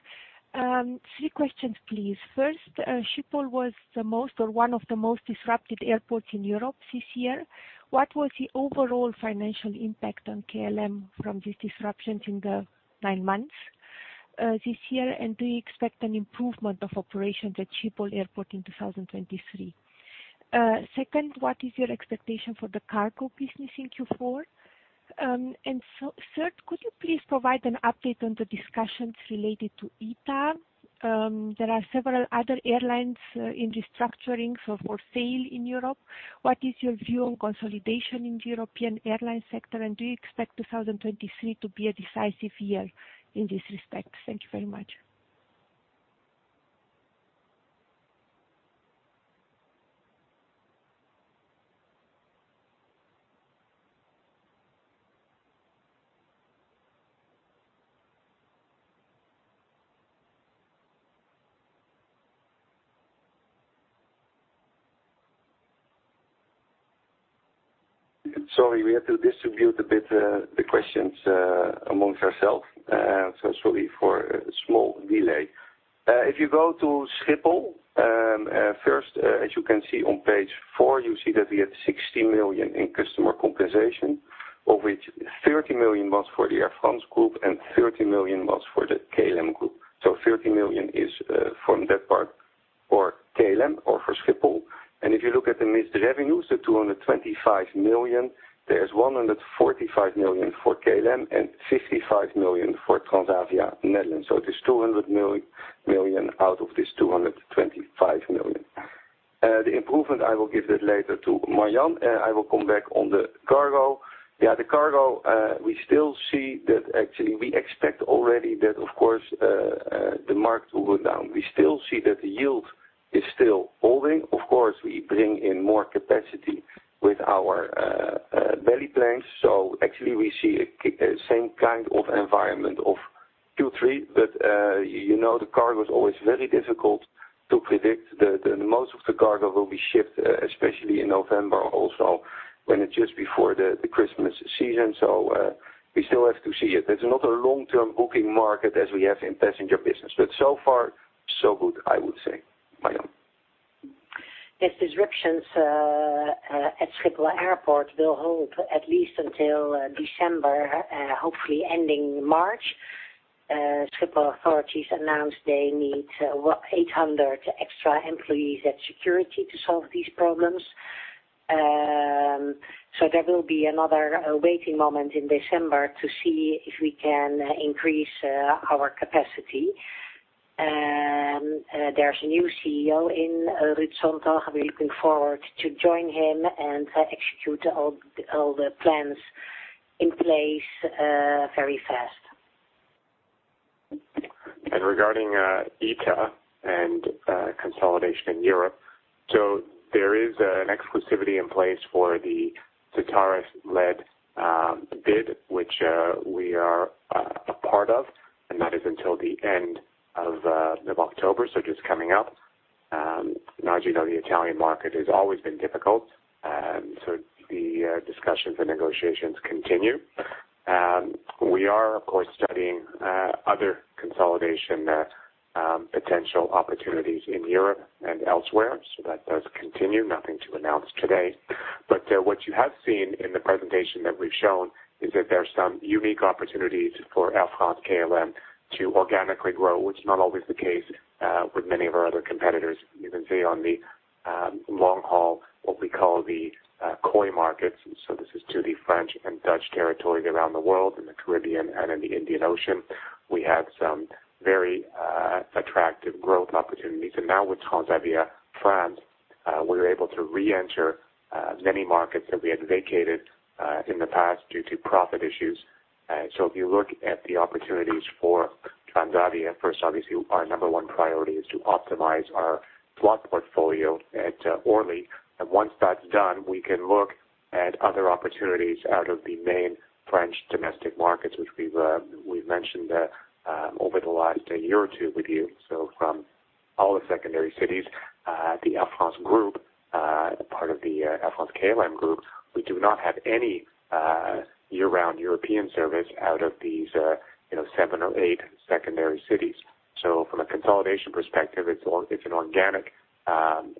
S4: Three questions, please. First, Schiphol was the most or one of the most disrupted airports in Europe this year. What was the overall financial impact on KLM from these disruptions in the nine months this year? And do you expect an improvement of operations at Schiphol Airport in 2023? Second, what is your expectation for the cargo business in Q4? Third, could you please provide an update on the discussions related to ITA? There are several other airlines in restructuring for sale in Europe. What is your view on consolidation in the European airline sector? And do you expect 2023 to be a decisive year in this respect? Thank you very much.
S3: Sorry, we have to distribute a bit the questions among ourselves. Sorry for a small delay. If you go to Schiphol first, as you can see on page four, you see that we have 60 million in customer compensation. Of which 30 million was for the Air France Group and 30 million was for the KLM group. Thirty million is from that part for KLM or for Schiphol. If you look at the missed revenues, the 225 million, there's 145 million for KLM and 55 million for Transavia Netherlands. It is 200 million out of this 225 million. The improvement, I will give that later to Marjan. I will come back on the cargo. Yeah, the cargo, we still see that actually we expect already that of course, the market will go down. We still see that the yield is still holding. Of course, we bring in more capacity with our belly planes. Actually we see the same kind of environment as Q3. You know, the cargo is always very difficult to predict. The most of the cargo will be shipped, especially in November also, when it's just before the Christmas season. We still have to see it. There's not a long-term booking market as we have in passenger business, but so far, so good, I would say. Marjan.
S5: These disruptions at Schiphol Airport will hold at least until December, hopefully ending March. Schiphol authorities announced they need 800 extra employees at security to solve these problems. There will be another waiting moment in December to see if we can increase our capacity. There's a new CEO in Ruud Sondag, we're looking forward to join him and execute all the plans in place very fast.
S2: and consolidation in Europe, there is an exclusivity in place for the Certares-led bid, which we are a part of, and that is until the end of October, so just coming up. Now as you know, the Italian market has always been difficult, so the discussions and negotiations continue. We are, of course, studying other consolidation potential opportunities in Europe and elsewhere. That does continue. Nothing to announce today. What you have seen in the presentation that we've shown is that there are some unique opportunities for Air France-KLM to organically grow, which is not always the case with many of our other competitors. You can see on the long-haul, what we call the COI markets. This is to the French and Dutch territories around the world, in the Caribbean and in the Indian Ocean. We have some very attractive growth opportunities. Now with Transavia France, we're able to re-enter many markets that we had vacated in the past due to profit issues. If you look at the opportunities for Transavia, first, obviously, our number one priority is to optimize our slot portfolio at Orly. Once that's done, we can look at other opportunities out of the main French domestic markets, which we've mentioned over the last year or two with you. From all the secondary cities, the Air France Group, the part of the Air France-KLM Group, we do not have any year-round European service out of these, you know, seven or eight secondary cities. From a consolidation perspective, it's an organic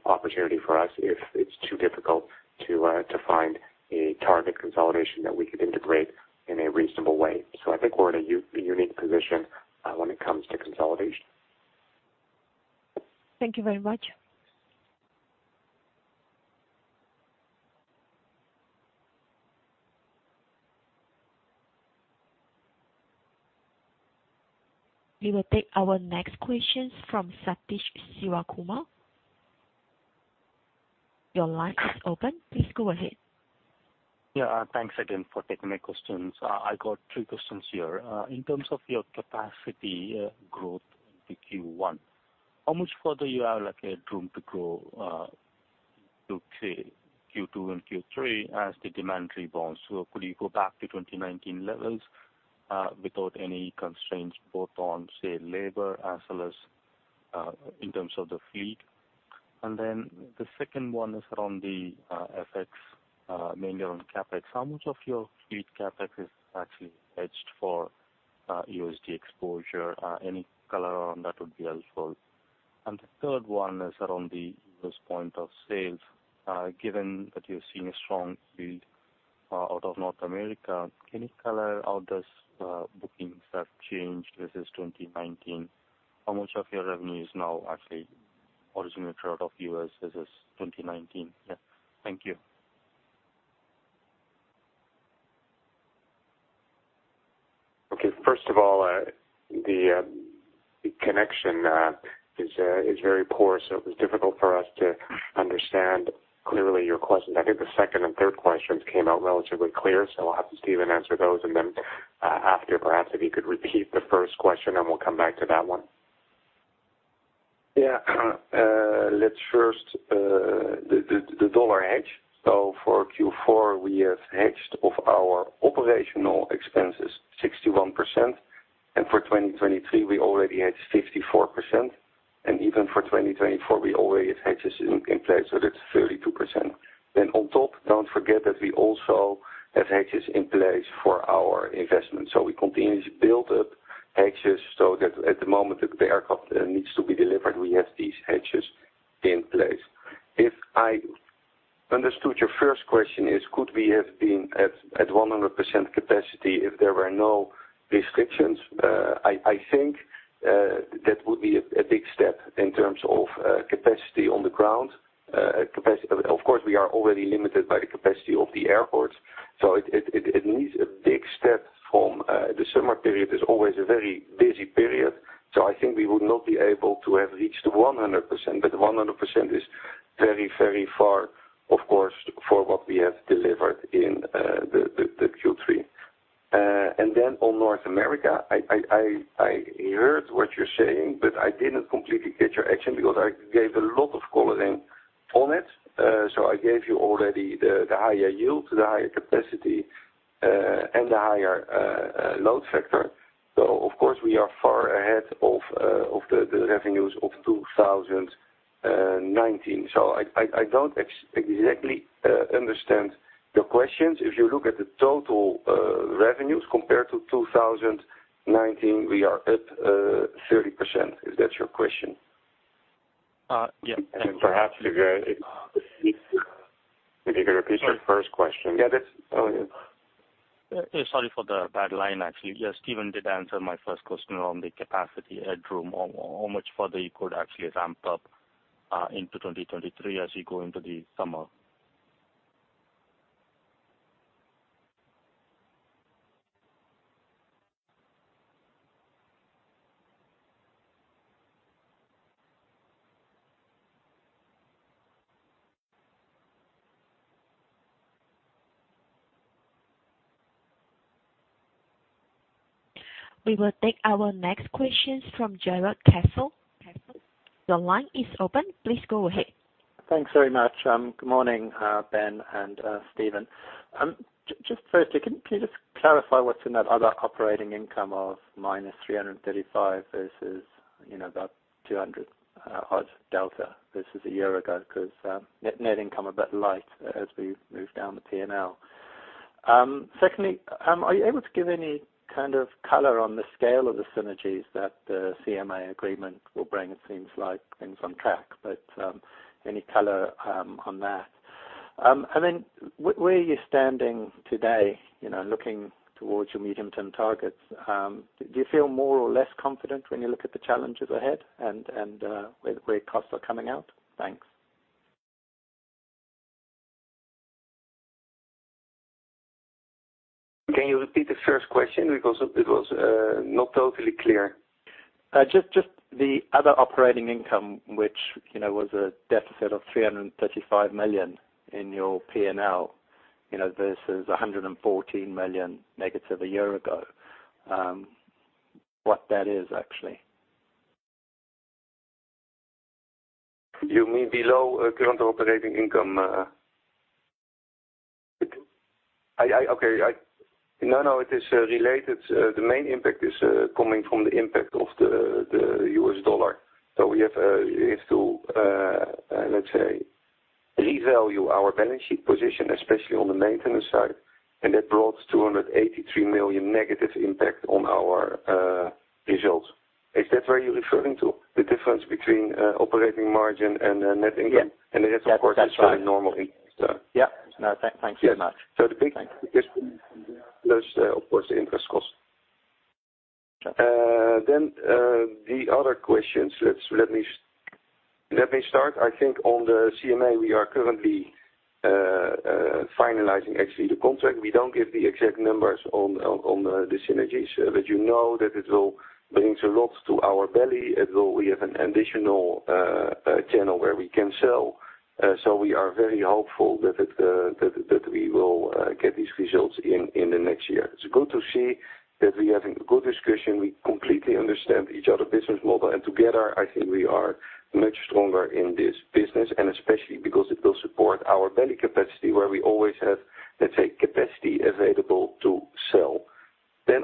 S2: opportunity for us if it's too difficult to find a target consolidation that we could integrate in a reasonable way. I think we're in a unique position when it comes to consolidation.
S1: Thank you very much. We will take our next question from Sathish Sivakumar. Your line is open. Please go ahead.
S6: Yeah. Thanks again for taking my questions. I got 3 questions here. In terms of your capacity growth in the Q1, how much further you have like a room to grow to say Q2 and Q3 as the demand rebounds? Could you go back to 2019 levels without any constraints both on, say, labor as well as in terms of the fleet? The second one is around the FX, mainly on CapEx. How much of your fleet CapEx is actually hedged for USD exposure? Any color on that would be helpful. The third one is around the U.S. point of sales. Given that you're seeing a strong yield out of North America, any color how does bookings have changed versus 2019? How much of your revenue is now actually originating out of U.S. versus 2019? Yeah. Thank you.
S2: Okay, first of all, the connection is very poor, so it was difficult for us to understand clearly your question. I think the second and third questions came out relatively clear, so I'll have Steven answer those, and then, after, perhaps if you could repeat the first question, and we'll come back to that one.
S3: Yeah. Let's first the dollar hedge. For Q4, we have hedged 61% of our operational expenses, and for 2023, we already hedged 54%. Even for 2024, we already have hedges in place, so that's 32%. On top, don't forget that we also have hedges in place for our investment. We continuously build up hedges so that at the moment that the aircraft needs to be delivered, we have these hedges in place. If I understood your first question is could we have been at 100% capacity if there were no restrictions? I think that would be a big step in terms of capacity on the ground. Of course, we are already limited by the capacity of the airports, so it needs a big step from the summer period. There's always a very busy period, so I think we would not be able to have reached 100%, but 100% is very, very far, of course, for what we have delivered in the Q3. On North America, I heard what you're saying, but I didn't completely get your action because I gave a lot of coloring on it. I gave you already the higher yields, the higher capacity, and the higher load factor. Of course, we are far ahead of the revenues of 2019. I don't exactly understand your questions. If you look at the total revenues compared to 2019, we are at 30%. Is that your question?
S6: Yeah.
S3: Perhaps if you could repeat your first question. Yeah, that's. Oh, yeah.
S6: Yeah. Sorry for the bad line, actually. Yes, Steven did answer my first question around the capacity headroom, or how much further you could actually ramp up into 2023 as you go into the summer.
S1: We will take our next questions from Jarrod Castle. Your line is open. Please go ahead.
S7: Thanks very much. Good morning, Ben and Steven. Just firstly, can you just clarify what's in that other operating income of -335 versus, you know, about 200 odd delta versus a year ago? 'Cause net income a bit light as we move down the P&L. Secondly, are you able to give any kind of color on the scale of the synergies that the CMA agreement will bring? It seems like things on track, but any color on that. I mean, where are you standing today, you know, looking towards your medium-term targets? Do you feel more or less confident when you look at the challenges ahead and where the great costs are coming out? Thanks.
S3: Can you repeat the first question because it was not totally clear.
S7: Just the other operating income which, you know, was a deficit of 335 million in your P&L, you know, versus a negative 114 million a year ago, what that is actually.
S3: You mean below current operating income? No, it is related. The main impact is coming from the impact of the US dollar. We have to, let's say, revalue our balance sheet position, especially on the maintenance side, and that brought 283 million negative impact on our results. Is that what you're referring to, the difference between operating margin and net income?
S7: Yeah. That's right.
S3: That, of course, is normally.
S7: Yeah. No, thanks very much.
S3: The big plus, of course, the interest cost. The other questions, let me start. I think on the CMA CGM, we are currently finalizing actually the contract. We don't give the exact numbers on the synergies, but you know that it will bring a lot to our belly, although we have an additional channel where we can sell. We are very hopeful that it, that we will get these results in the next year. It's good to see that we are having a good discussion. We completely understand each other's business model, and together, I think we are much stronger in this business, and especially because it will support our belly capacity, where we always have, let's say, capacity available to sell.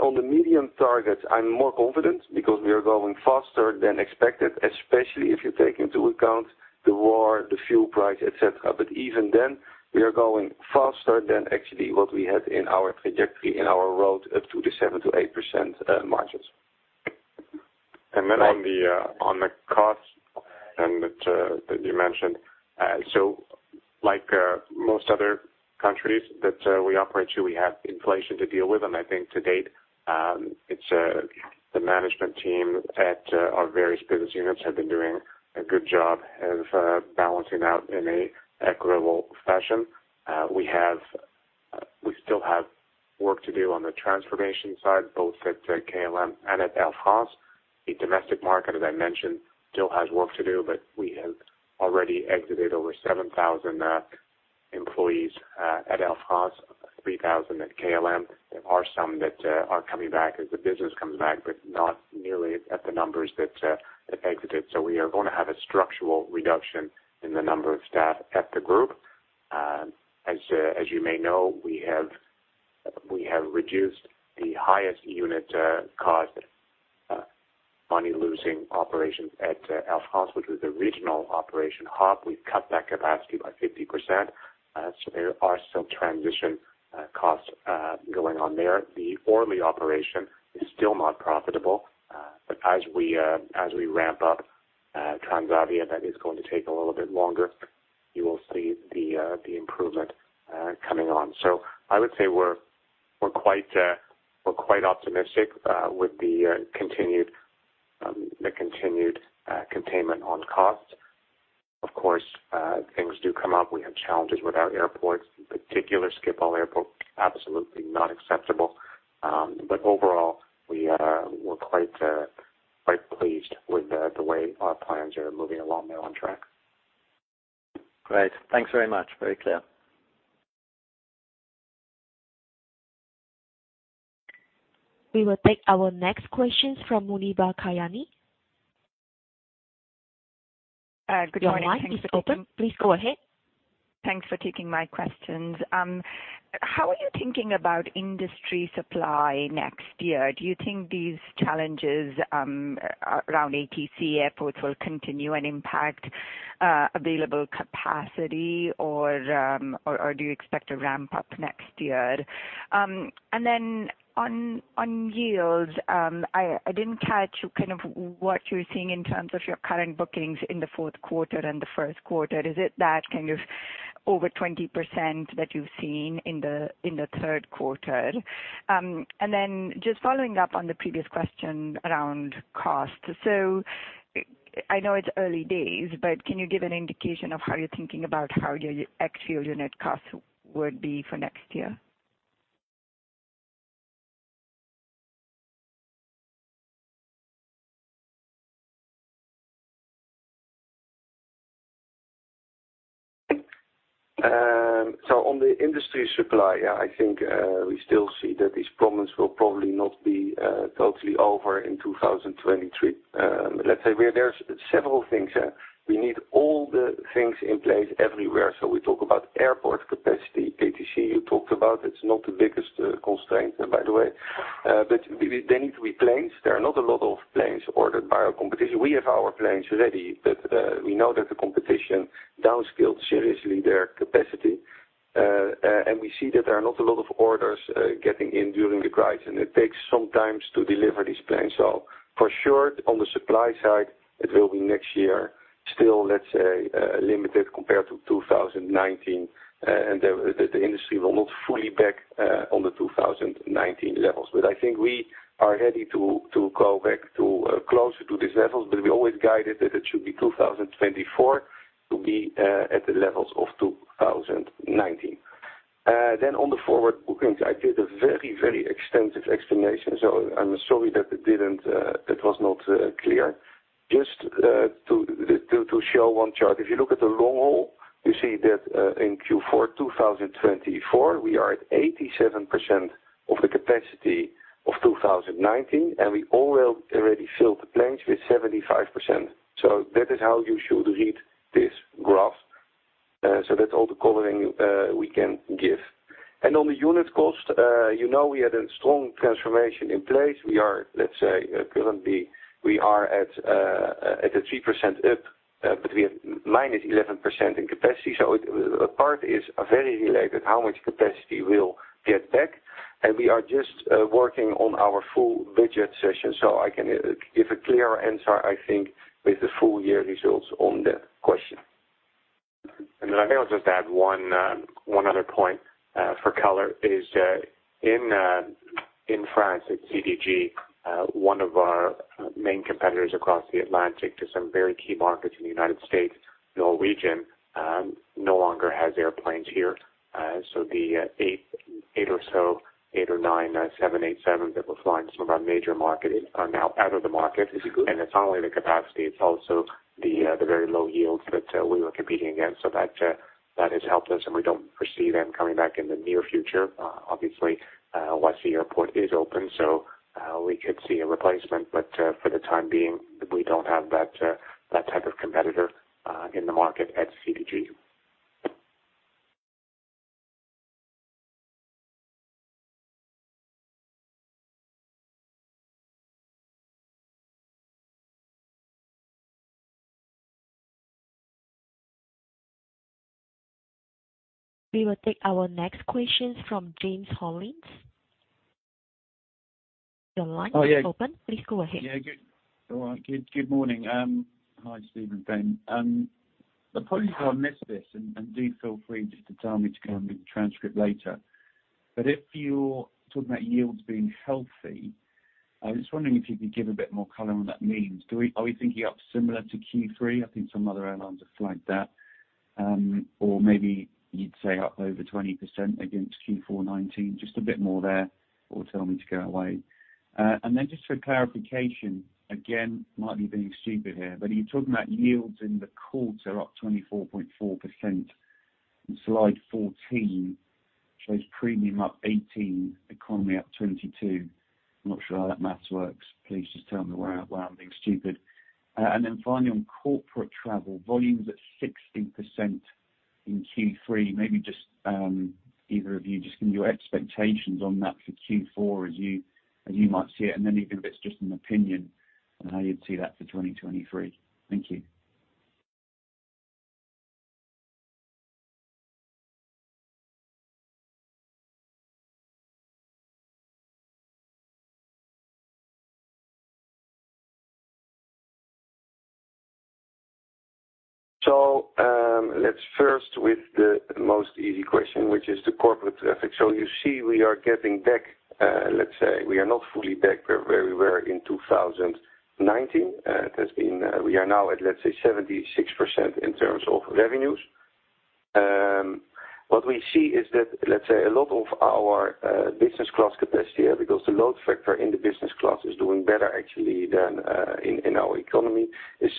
S3: On the medium targets, I'm more confident because we are growing faster than expected, especially if you take into account the war, the fuel price, et cetera. We are growing faster than actually what we had in our trajectory, in our road up to the 7%-8% margins. On the costs and that you mentioned. Most other countries that we operate to, we have inflation to deal with. I think to date, it's the management team at our various business units have been doing a good job of balancing out in a equitable fashion. We still have work to do on the transformation side, both at KLM and at Air France. The domestic market, as I mentioned, still has work to do, but we have already exited over 7,000 employees at Air France, 3,000 at KLM. There are some that are coming back as the business comes back, but not nearly at the numbers that exited. We are gonna have a structural reduction in the number of staff at the group. As you may know, we have reduced the highest unit cost money-losing operations at Air France, which was HOP! We've cut that capacity by 50%, so there are some transition costs going on there. The Orly operation is still not profitable.
S2: As we ramp up Transavia, that is going to take a little bit longer. You will see the improvement coming on. I would say we're quite optimistic with the continued containment on costs. Of course, things do come up. We have challenges with our airports, in particular Schiphol Airport, absolutely not acceptable. Overall, we're quite pleased with the way our plans are moving along. They're on track.
S7: Great. Thanks very much. Very clear.
S1: We will take our next questions from Muneeba Kayani.
S8: Good morning. Thanks for taking-
S1: Your line is open. Please go ahead.
S8: Thanks for taking my questions. How are you thinking about industry supply next year? Do you think these challenges around ATC airports will continue and impact available capacity or do you expect to ramp up next year? On yields, I didn't catch kind of what you're seeing in terms of your current bookings in the fourth quarter and the first quarter. Is it that kind of over 20% that you've seen in the third quarter? Just following up on the previous question around cost. I know it's early days, but can you give an indication of how you're thinking about how your actual unit cost would be for next year?
S3: On the industry supply, I think we still see that these problems will probably not be totally over in 2023. Let's say there's several things. We need all the things in place everywhere. We talk about airport capacity, ATC, you talked about, it's not the biggest constraint, by the way. They need to be planes. There are not a lot of planes ordered by our competition. We have our planes ready, but we know that the competition downscaled seriously their capacity. We see that there are not a lot of orders getting in during the crisis, and it takes some time to deliver these planes. For sure, on the supply side, it will be next year, still, let's say, limited compared to 2019. The industry will not fully bounce back on the 2019 levels. I think we are ready to go back to closer to these levels. We always guided that it should be 2024 to be at the levels of 2019. On the forward bookings, I did a very extensive explanation, so I'm sorry that it didn't, it was not clear. Just to show one chart, if you look at the long haul, you see that in Q4 2024, we are at 87% of the capacity of 2019, and we already have filled the planes with 75%. That is how you should read this graph. That's all the coloring we can give. On the unit cost, you know, we had a strong transformation in place. We are, let's say, currently, we are at a 3% up, but we have -11% in capacity. Part is very related how much capacity we'll get back. We are just working on our full budget session, so I can give a clearer answer, I think, with the full year results on the question.
S2: I think I'll just add one other point for color, in France, at CDG, one of our main competitors across the Atlantic to some very key markets in the United States, Norwegian, no longer has airplanes here. So the eight or nine 787 that were flying some of our major markets are now out of the market.
S3: Is it good?
S2: It's not only the capacity, it's also the very low yields that we were competing against. That has helped us and we don't foresee them coming back in the near future. Obviously, once the airport is open, we could see a replacement. For the time being, we don't have that type of competitor in the market at CDG.
S1: We will take our next question from James Hollins. Your line is open.
S9: Oh, yeah.
S1: Please go ahead.
S9: Yeah, good. All right. Good morning. Hi, Steven, Ben. Apologies if I missed this, and do feel free just to tell me to go and read the transcript later. If you're talking about yields being healthy, I was just wondering if you could give a bit more color on what that means. Are we thinking up similar to Q3? I think some other airlines have flagged that. Or maybe you'd say up over 20% against Q4 2019. Just a bit more there, or tell me to go away. And then just for clarification, again, might be being stupid here, but are you talking about yields in the quarter up 24.4%? In slide 14, shows premium up 18%, economy up 22%. I'm not sure how that math works. Please just tell me where I'm being stupid. Finally on corporate travel, volumes at 60% in Q3. Maybe just either of you just give me your expectations on that for Q4 as you might see it, and then even if it's just an opinion on how you'd see that for 2023. Thank you.
S3: Let's first with the most easy question, which is the corporate traffic. You see, we are getting back, let's say we are not fully back where we were in 2019. We are now at, let's say, 76% in terms of revenues. What we see is that, let's say a lot of our business class capacity, because the load factor in the business class is doing better actually than in our economy, is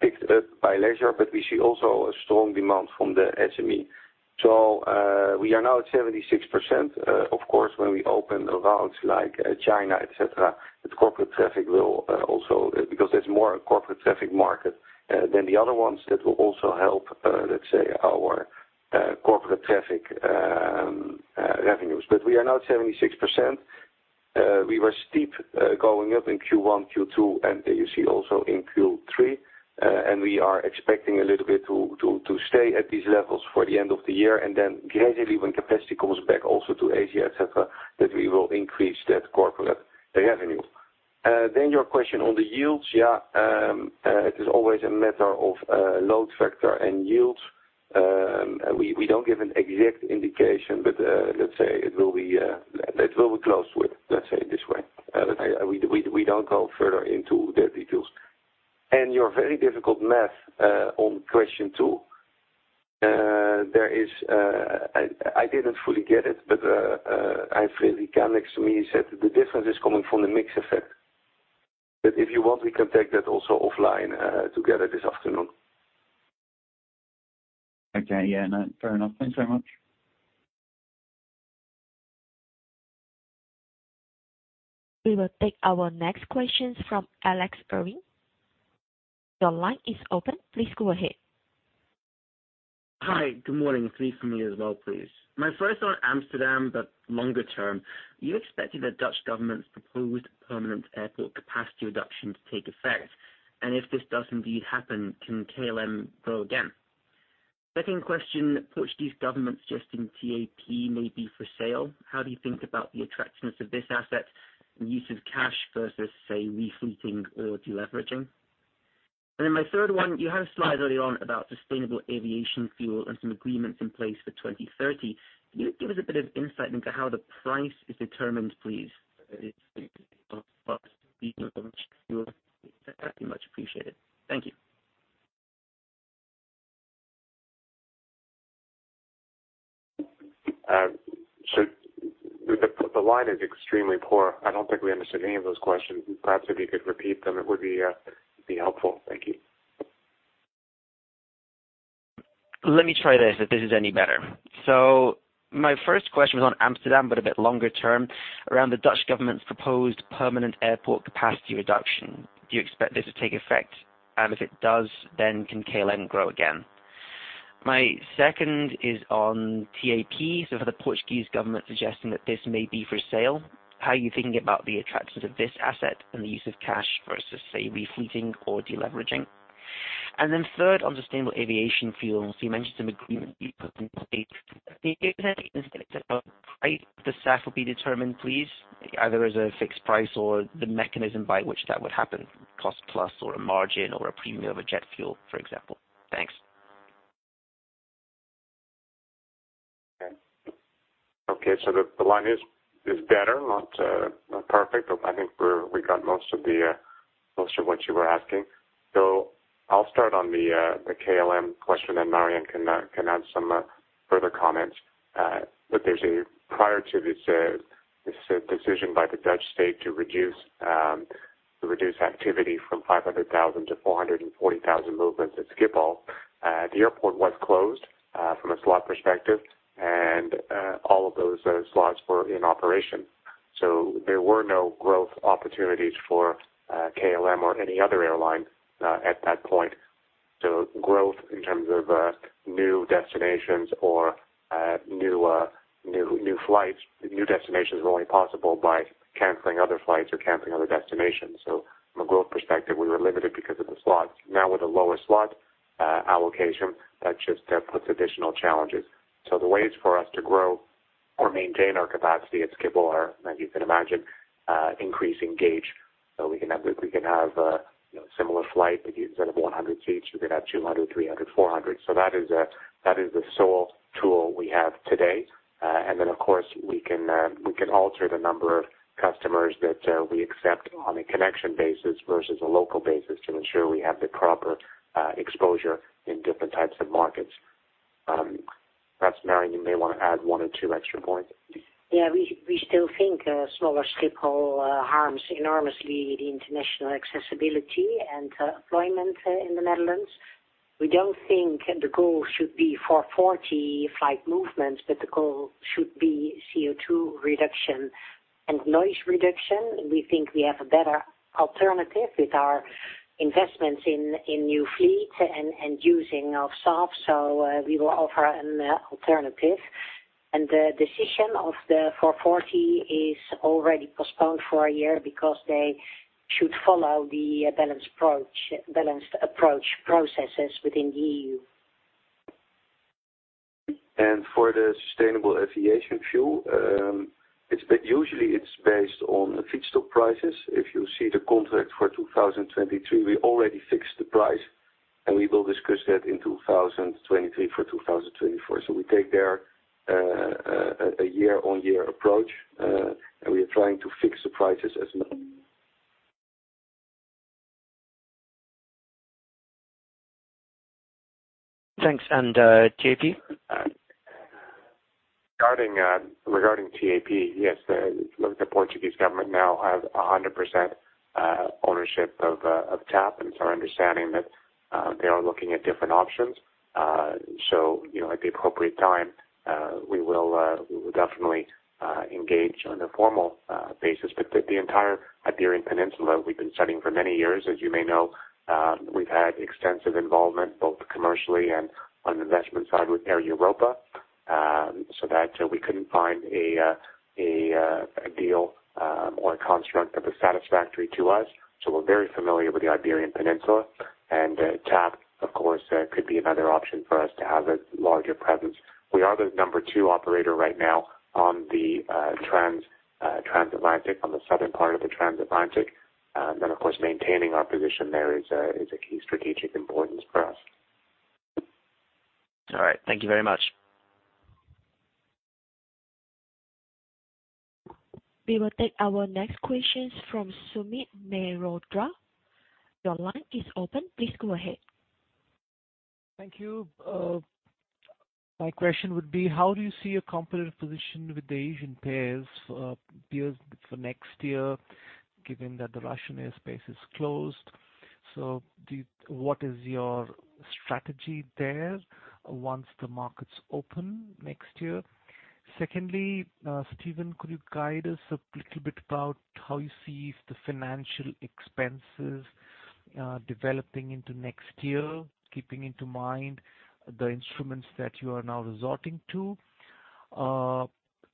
S3: picked up by leisure, but we see also a strong demand from the SME. We are now at 76%. Of course, when we open the routes like China et cetera, the corporate traffic will also because there's more corporate traffic market than the other ones that will also help, let's say our corporate traffic revenues. We are now at 76%. We were steeply going up in Q1, Q2, and you see also in Q3. We are expecting a little bit to stay at these levels for the end of the year and then gradually when capacity comes back also to Asia et cetera, that we will increase that corporate revenue. Your question on the yields. Yeah. It is always a matter of load factor and yields. We don't give an exact indication, but let's say it will be close with, let's say it this way. We don't go further into the details. Your very difficult math on question two. There is, I didn't fully get it, but Anne Rigail next to me said the difference is coming from the mix effect. If you want, we can take that also offline together this afternoon.
S9: Okay. Yeah, no, fair enough. Thanks very much.
S1: We will take our next question from Alexander Irving. Your line is open. Please go ahead.
S10: Hi. Good morning. 3 for me as well, please. My first on Amsterdam, but longer term. You expected the Dutch government's proposed permanent airport capacity reduction to take effect. If this does indeed happen, can KLM grow again? Second question, Portuguese government suggesting TAP may be for sale. How do you think about the attractiveness of this asset and use of cash versus, say, refloating or deleveraging? My third one, you had a slide early on about sustainable aviation fuel and some agreements in place for 2030. Can you give us a bit of insight into how the price is determined, please? Thank you much. Appreciate it. Thank you.
S2: The line is extremely poor. I don't think we understood any of those questions. Perhaps if you could repeat them it would be helpful. Thank you.
S10: Let me try this, if this is any better. My first question was on Amsterdam, but a bit longer term, around the Dutch government's proposed permanent airport capacity reduction. Do you expect this to take effect? And if it does, then can KLM grow again? My second is on TAP. For the Portuguese government suggesting that this may be for sale, how are you thinking about the attractions of this asset and the use of cash versus, say, refloating or deleveraging? Third, on sustainable aviation fuel. You mentioned some agreements you put in place. Can you give us any insight into how the price of the SAF will be determined, please? Either as a fixed price or the mechanism by which that would happen, cost plus or a margin or a premium of a jet fuel, for example. Thanks.
S2: Okay. The line is better, not perfect, but I think we got most of what you were asking. I'll start on the KLM question, then Marjan can add some further comments. There was prior to this decision by the Dutch state to reduce activity from 500,000 to 440,000 movements at Schiphol. The airport was closed from a slot perspective, and all of those slots were in operation. There were no growth opportunities for KLM or any other airline at that point. Growth in terms of new destinations or new flights, new destinations are only possible by canceling other flights or canceling other destinations. From a growth perspective, we were limited because of the slots. Now with a lower slot allocation, that just puts additional challenges. The ways for us to grow or maintain our capacity at Schiphol are, as you can imagine, increasing gauge. We can have, you know, similar flight, but instead of 100 seats, we could have 200, 300, 400. That is the sole tool we have today. Of course, we can alter the number of customers that we accept on a connection basis versus a local basis to ensure we have the proper exposure in different types of markets. Perhaps Marjan, you may wanna add one or two extra points.
S5: Yeah. We still think smaller Schiphol harms enormously the international accessibility and employment in the Netherlands. We don't think the goal should be 440 flight movements, but the goal should be CO2 reduction and noise reduction. We think we have a better alternative with our investments in new fleet and using of SAF, so we will offer an alternative. The decision of the 440 is already postponed for a year because they should follow the balanced approach processes within the EU.
S3: For the sustainable aviation fuel, it's been usually it's based on the feedstock prices. If you see the contract for 2023, we already fixed the price, and we will discuss that in 2023 for 2024. We take there a year-on-year approach, and we are trying to fix the prices as
S10: Thanks. JP?
S2: Regarding TAP, yes, the Portuguese government now has 100% ownership of TAP. It's our understanding that they are looking at different options. You know, at the appropriate time, we will definitely engage on a formal basis. The entire Iberian Peninsula we've been studying for many years. As you may know, we've had extensive involvement, both commercially and on the investment side with Air Europa. That we couldn't find a deal or a construct that was satisfactory to us. We're very familiar with the Iberian Peninsula. TAP, of course, could be another option for us to have a larger presence. We are the number two operator right now on the transatlantic, on the southern part of the transatlantic. Of course, maintaining our position there is a key strategic importance for us.
S10: All right. Thank you very much.
S1: We will take our next questions from Sumit Mehrotra. Your line is open. Please go ahead.
S11: Thank you. My question would be, how do you see a competitive position with the Asian players, details for next year, given that the Russian airspace is closed? What is your strategy there once the markets open next year? Secondly, Steven Zaat, could you guide us a little bit about how you see the financial expenses developing into next year, keeping in mind the instruments that you are now resorting to?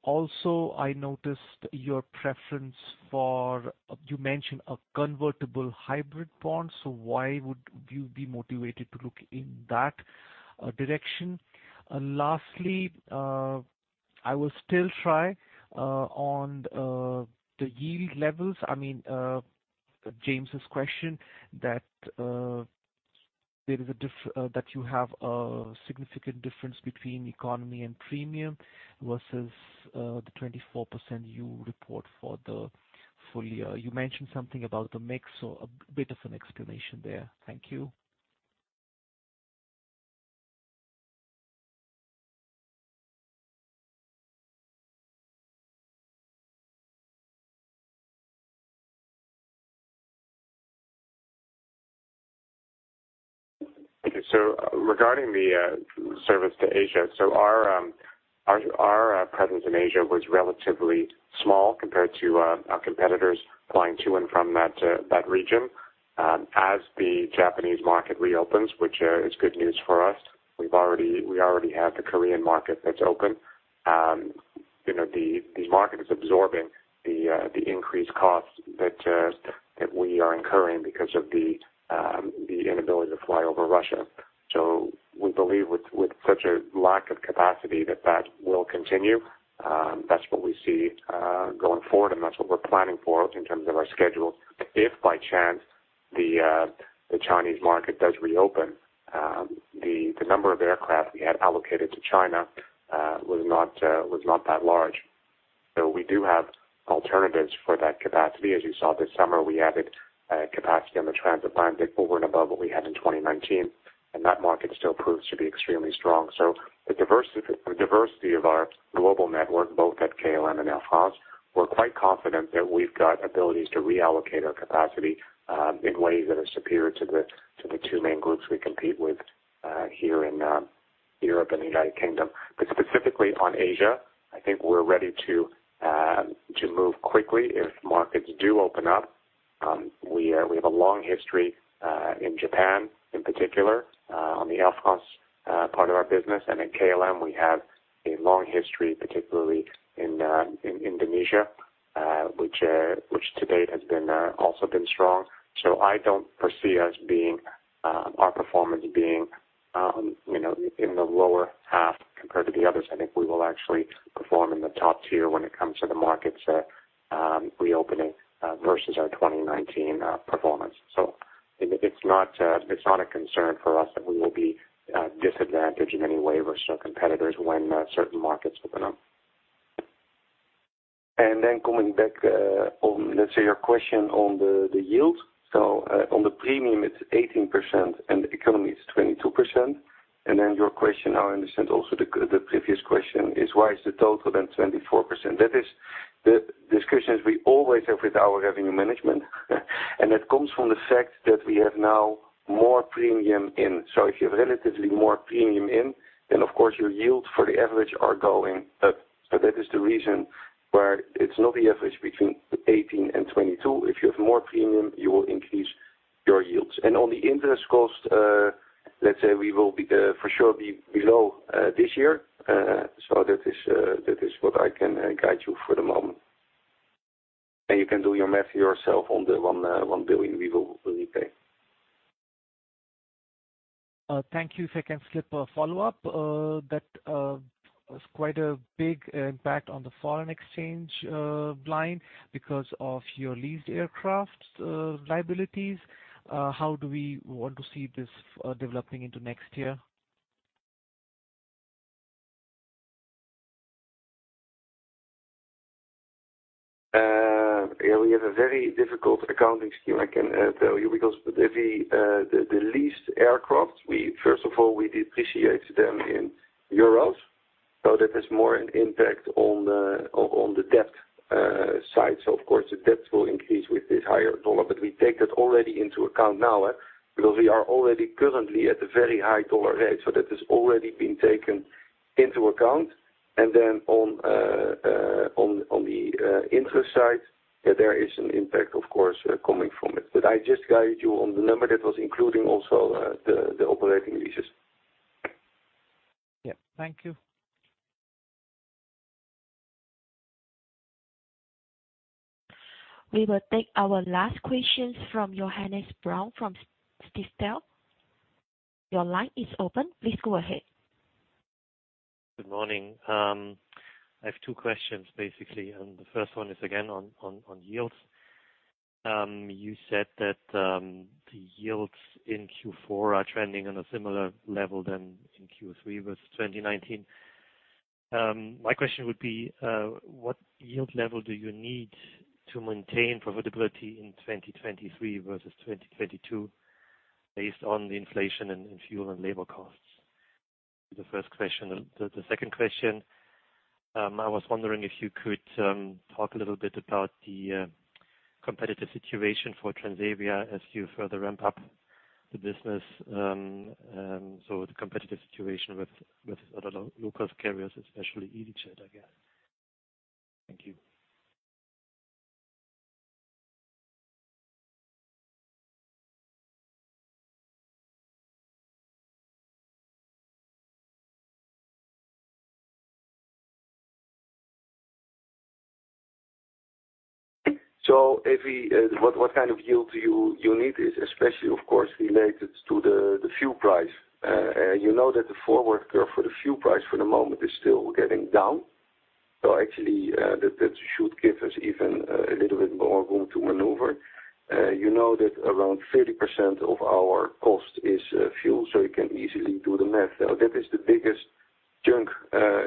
S11: Also, I noticed your preference for, you mentioned a convertible hybrid bond, so why would you be motivated to look in that direction? Lastly, I will still try on the yield levels. I mean, James Hollins's question that there is a significant difference between economy and premium versus the 24% you report for the full year. You mentioned something about the mix, a bit of an explanation there. Thank you.
S2: Regarding the service to Asia, our presence in Asia was relatively small compared to our competitors flying to and from that region. As the Japanese market reopens, which is good news for us, we already have the Korean market that's open. You know, the market is absorbing the increased costs that we are incurring because of the inability to fly over Russia. We believe with such a lack of capacity that will continue. That's what we see going forward, and that's what we're planning for in terms of our schedule. If by chance the Chinese market does reopen, the number of aircraft we had allocated to China was not that large. We do have alternatives for that capacity. As you saw this summer, we added capacity on the transatlantic over and above what we had in 2019, and that market still proves to be extremely strong. The diversity of our global network, both at KLM and Air France, we're quite confident that we've got abilities to reallocate our capacity in ways that are superior to the two main groups we compete with here in Europe and the United Kingdom. Specifically on Asia, I think we're ready to move quickly if markets do open up. We have a long history in Japan in particular on the Air France part of our business. At KLM, we have a long history, particularly in Indonesia, which to date has also been strong. I don't foresee our performance being, you know, in the lower half compared to the others. I think we will actually perform in the top tier when it comes to the markets reopening versus our 2019 performance. It's not a concern for us that we will be disadvantaged in any way versus our competitors when certain markets open up.
S3: Coming back, on, let's say, your question on the yield. On the premium, it's 18%, and the economy is 22%. Your question, I understand also the previous question is why is the total then 24%? That is the discussions we always have with our revenue management. That comes from the fact that we have now more premium in. If you have relatively more premium in, then of course your yield for the average are going up. That is the reason why it's not the average between 18% and 22%. If you have more premium, you will increase your yields. On the interest cost, let's say we will be for sure below this year. That is what I can guide you for the moment. You can do your math yourself on the 1 billion we will repay.
S11: Thank you. If I can slip a follow-up. That was quite a big impact on the foreign exchange line because of your leased aircraft liabilities. How do we want to see this developing into next year?
S3: Yeah, we have a very difficult accounting scheme. I can tell you because with the leased aircraft, we first of all, we depreciate them in euros. That has more an impact on the debt side. Of course, the debts will increase with this higher dollar, but we take that already into account now, because we are already currently at a very high dollar rate. That has already been taken into account. Then on the interest side, yeah, there is an impact of course, coming from it. I just guide you on the number that was including also the operating leases.
S11: Yeah. Thank you.
S1: We will take our last questions from Johannes Braun from Stifel. Your line is open. Please go ahead.
S12: Good morning. I have two questions basically, and the first one is again on yields. You said that the yields in Q4 are trending on a similar level than in Q3 versus 2019. My question would be what yield level do you need to maintain profitability in 2023 versus 2022 based on the inflation and fuel and labor costs? The first question. The second question, I was wondering if you could talk a little bit about the competitive situation for Transavia as you further ramp up the business, so the competitive situation with other low-cost carriers especially easyJet, I guess. Thank you.
S3: What kind of yield you need is especially of course related to the fuel price. You know that the forward curve for the fuel price for the moment is still going down. Actually, that should give us even a little bit more room to maneuver. You know that around 30% of our cost is fuel, so you can easily do the math. That is the biggest chunk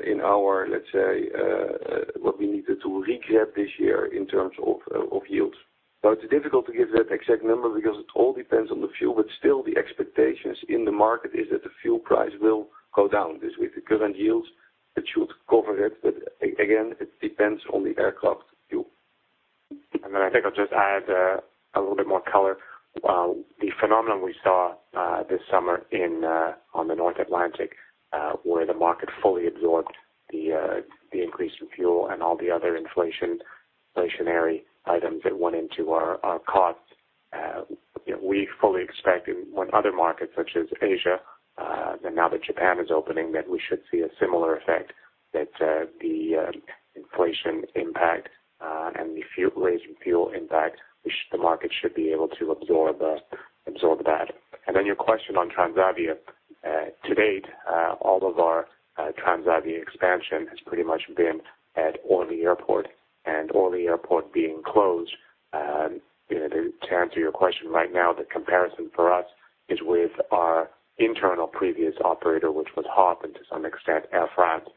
S3: in our, let's say, what we needed to recap this year in terms of yields. It's difficult to give that exact number because it all depends on the fuel, but still the expectations in the market is that the fuel price will go down this week. The current yields that should cover it, but again, it depends on the aircraft fuel.
S2: I think I'll just add a little bit more color. While the phenomenon we saw this summer on the North Atlantic, where the market fully absorbed the increase in fuel and all the other inflationary items that went into our costs. You know, we fully expect when other markets such as Asia, and now that Japan is opening, that we should see a similar effect that the inflation impact and the rise in fuel impact. The market should be able to absorb that. Your question on Transavia. To date, all of our Transavia expansion has pretty much been at Orly Airport. Orly Airport being closed, you know, to answer your question right now, the comparison for us is with our internal previous operator, which was HOP! and to some extent Air France.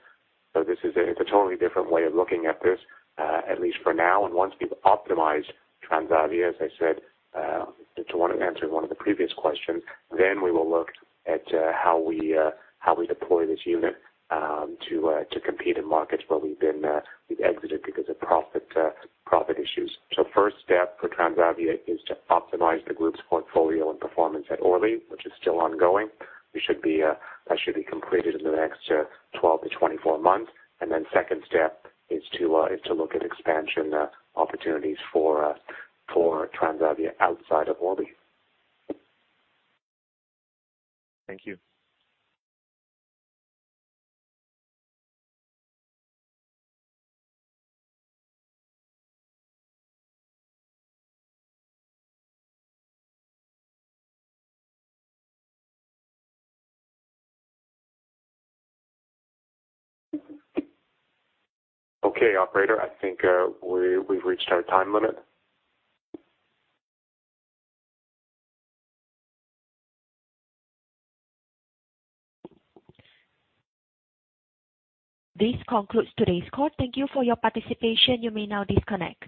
S2: It's a totally different way of looking at this, at least for now. Once we've optimized Transavia, as I said, to answer one of the previous questions, then we will look at how we deploy this unit to compete in markets where we've exited because of profit issues. First step for Transavia is to optimize the group's portfolio and performance at Orly, which is still ongoing. That should be completed in the next 12-24 months. Second step is to look at expansion opportunities for Transavia outside of Orly.
S12: Thank you.
S2: Okay. Operator, I think, we've reached our time limit.
S1: This concludes today's call. Thank you for your participation. You may now disconnect.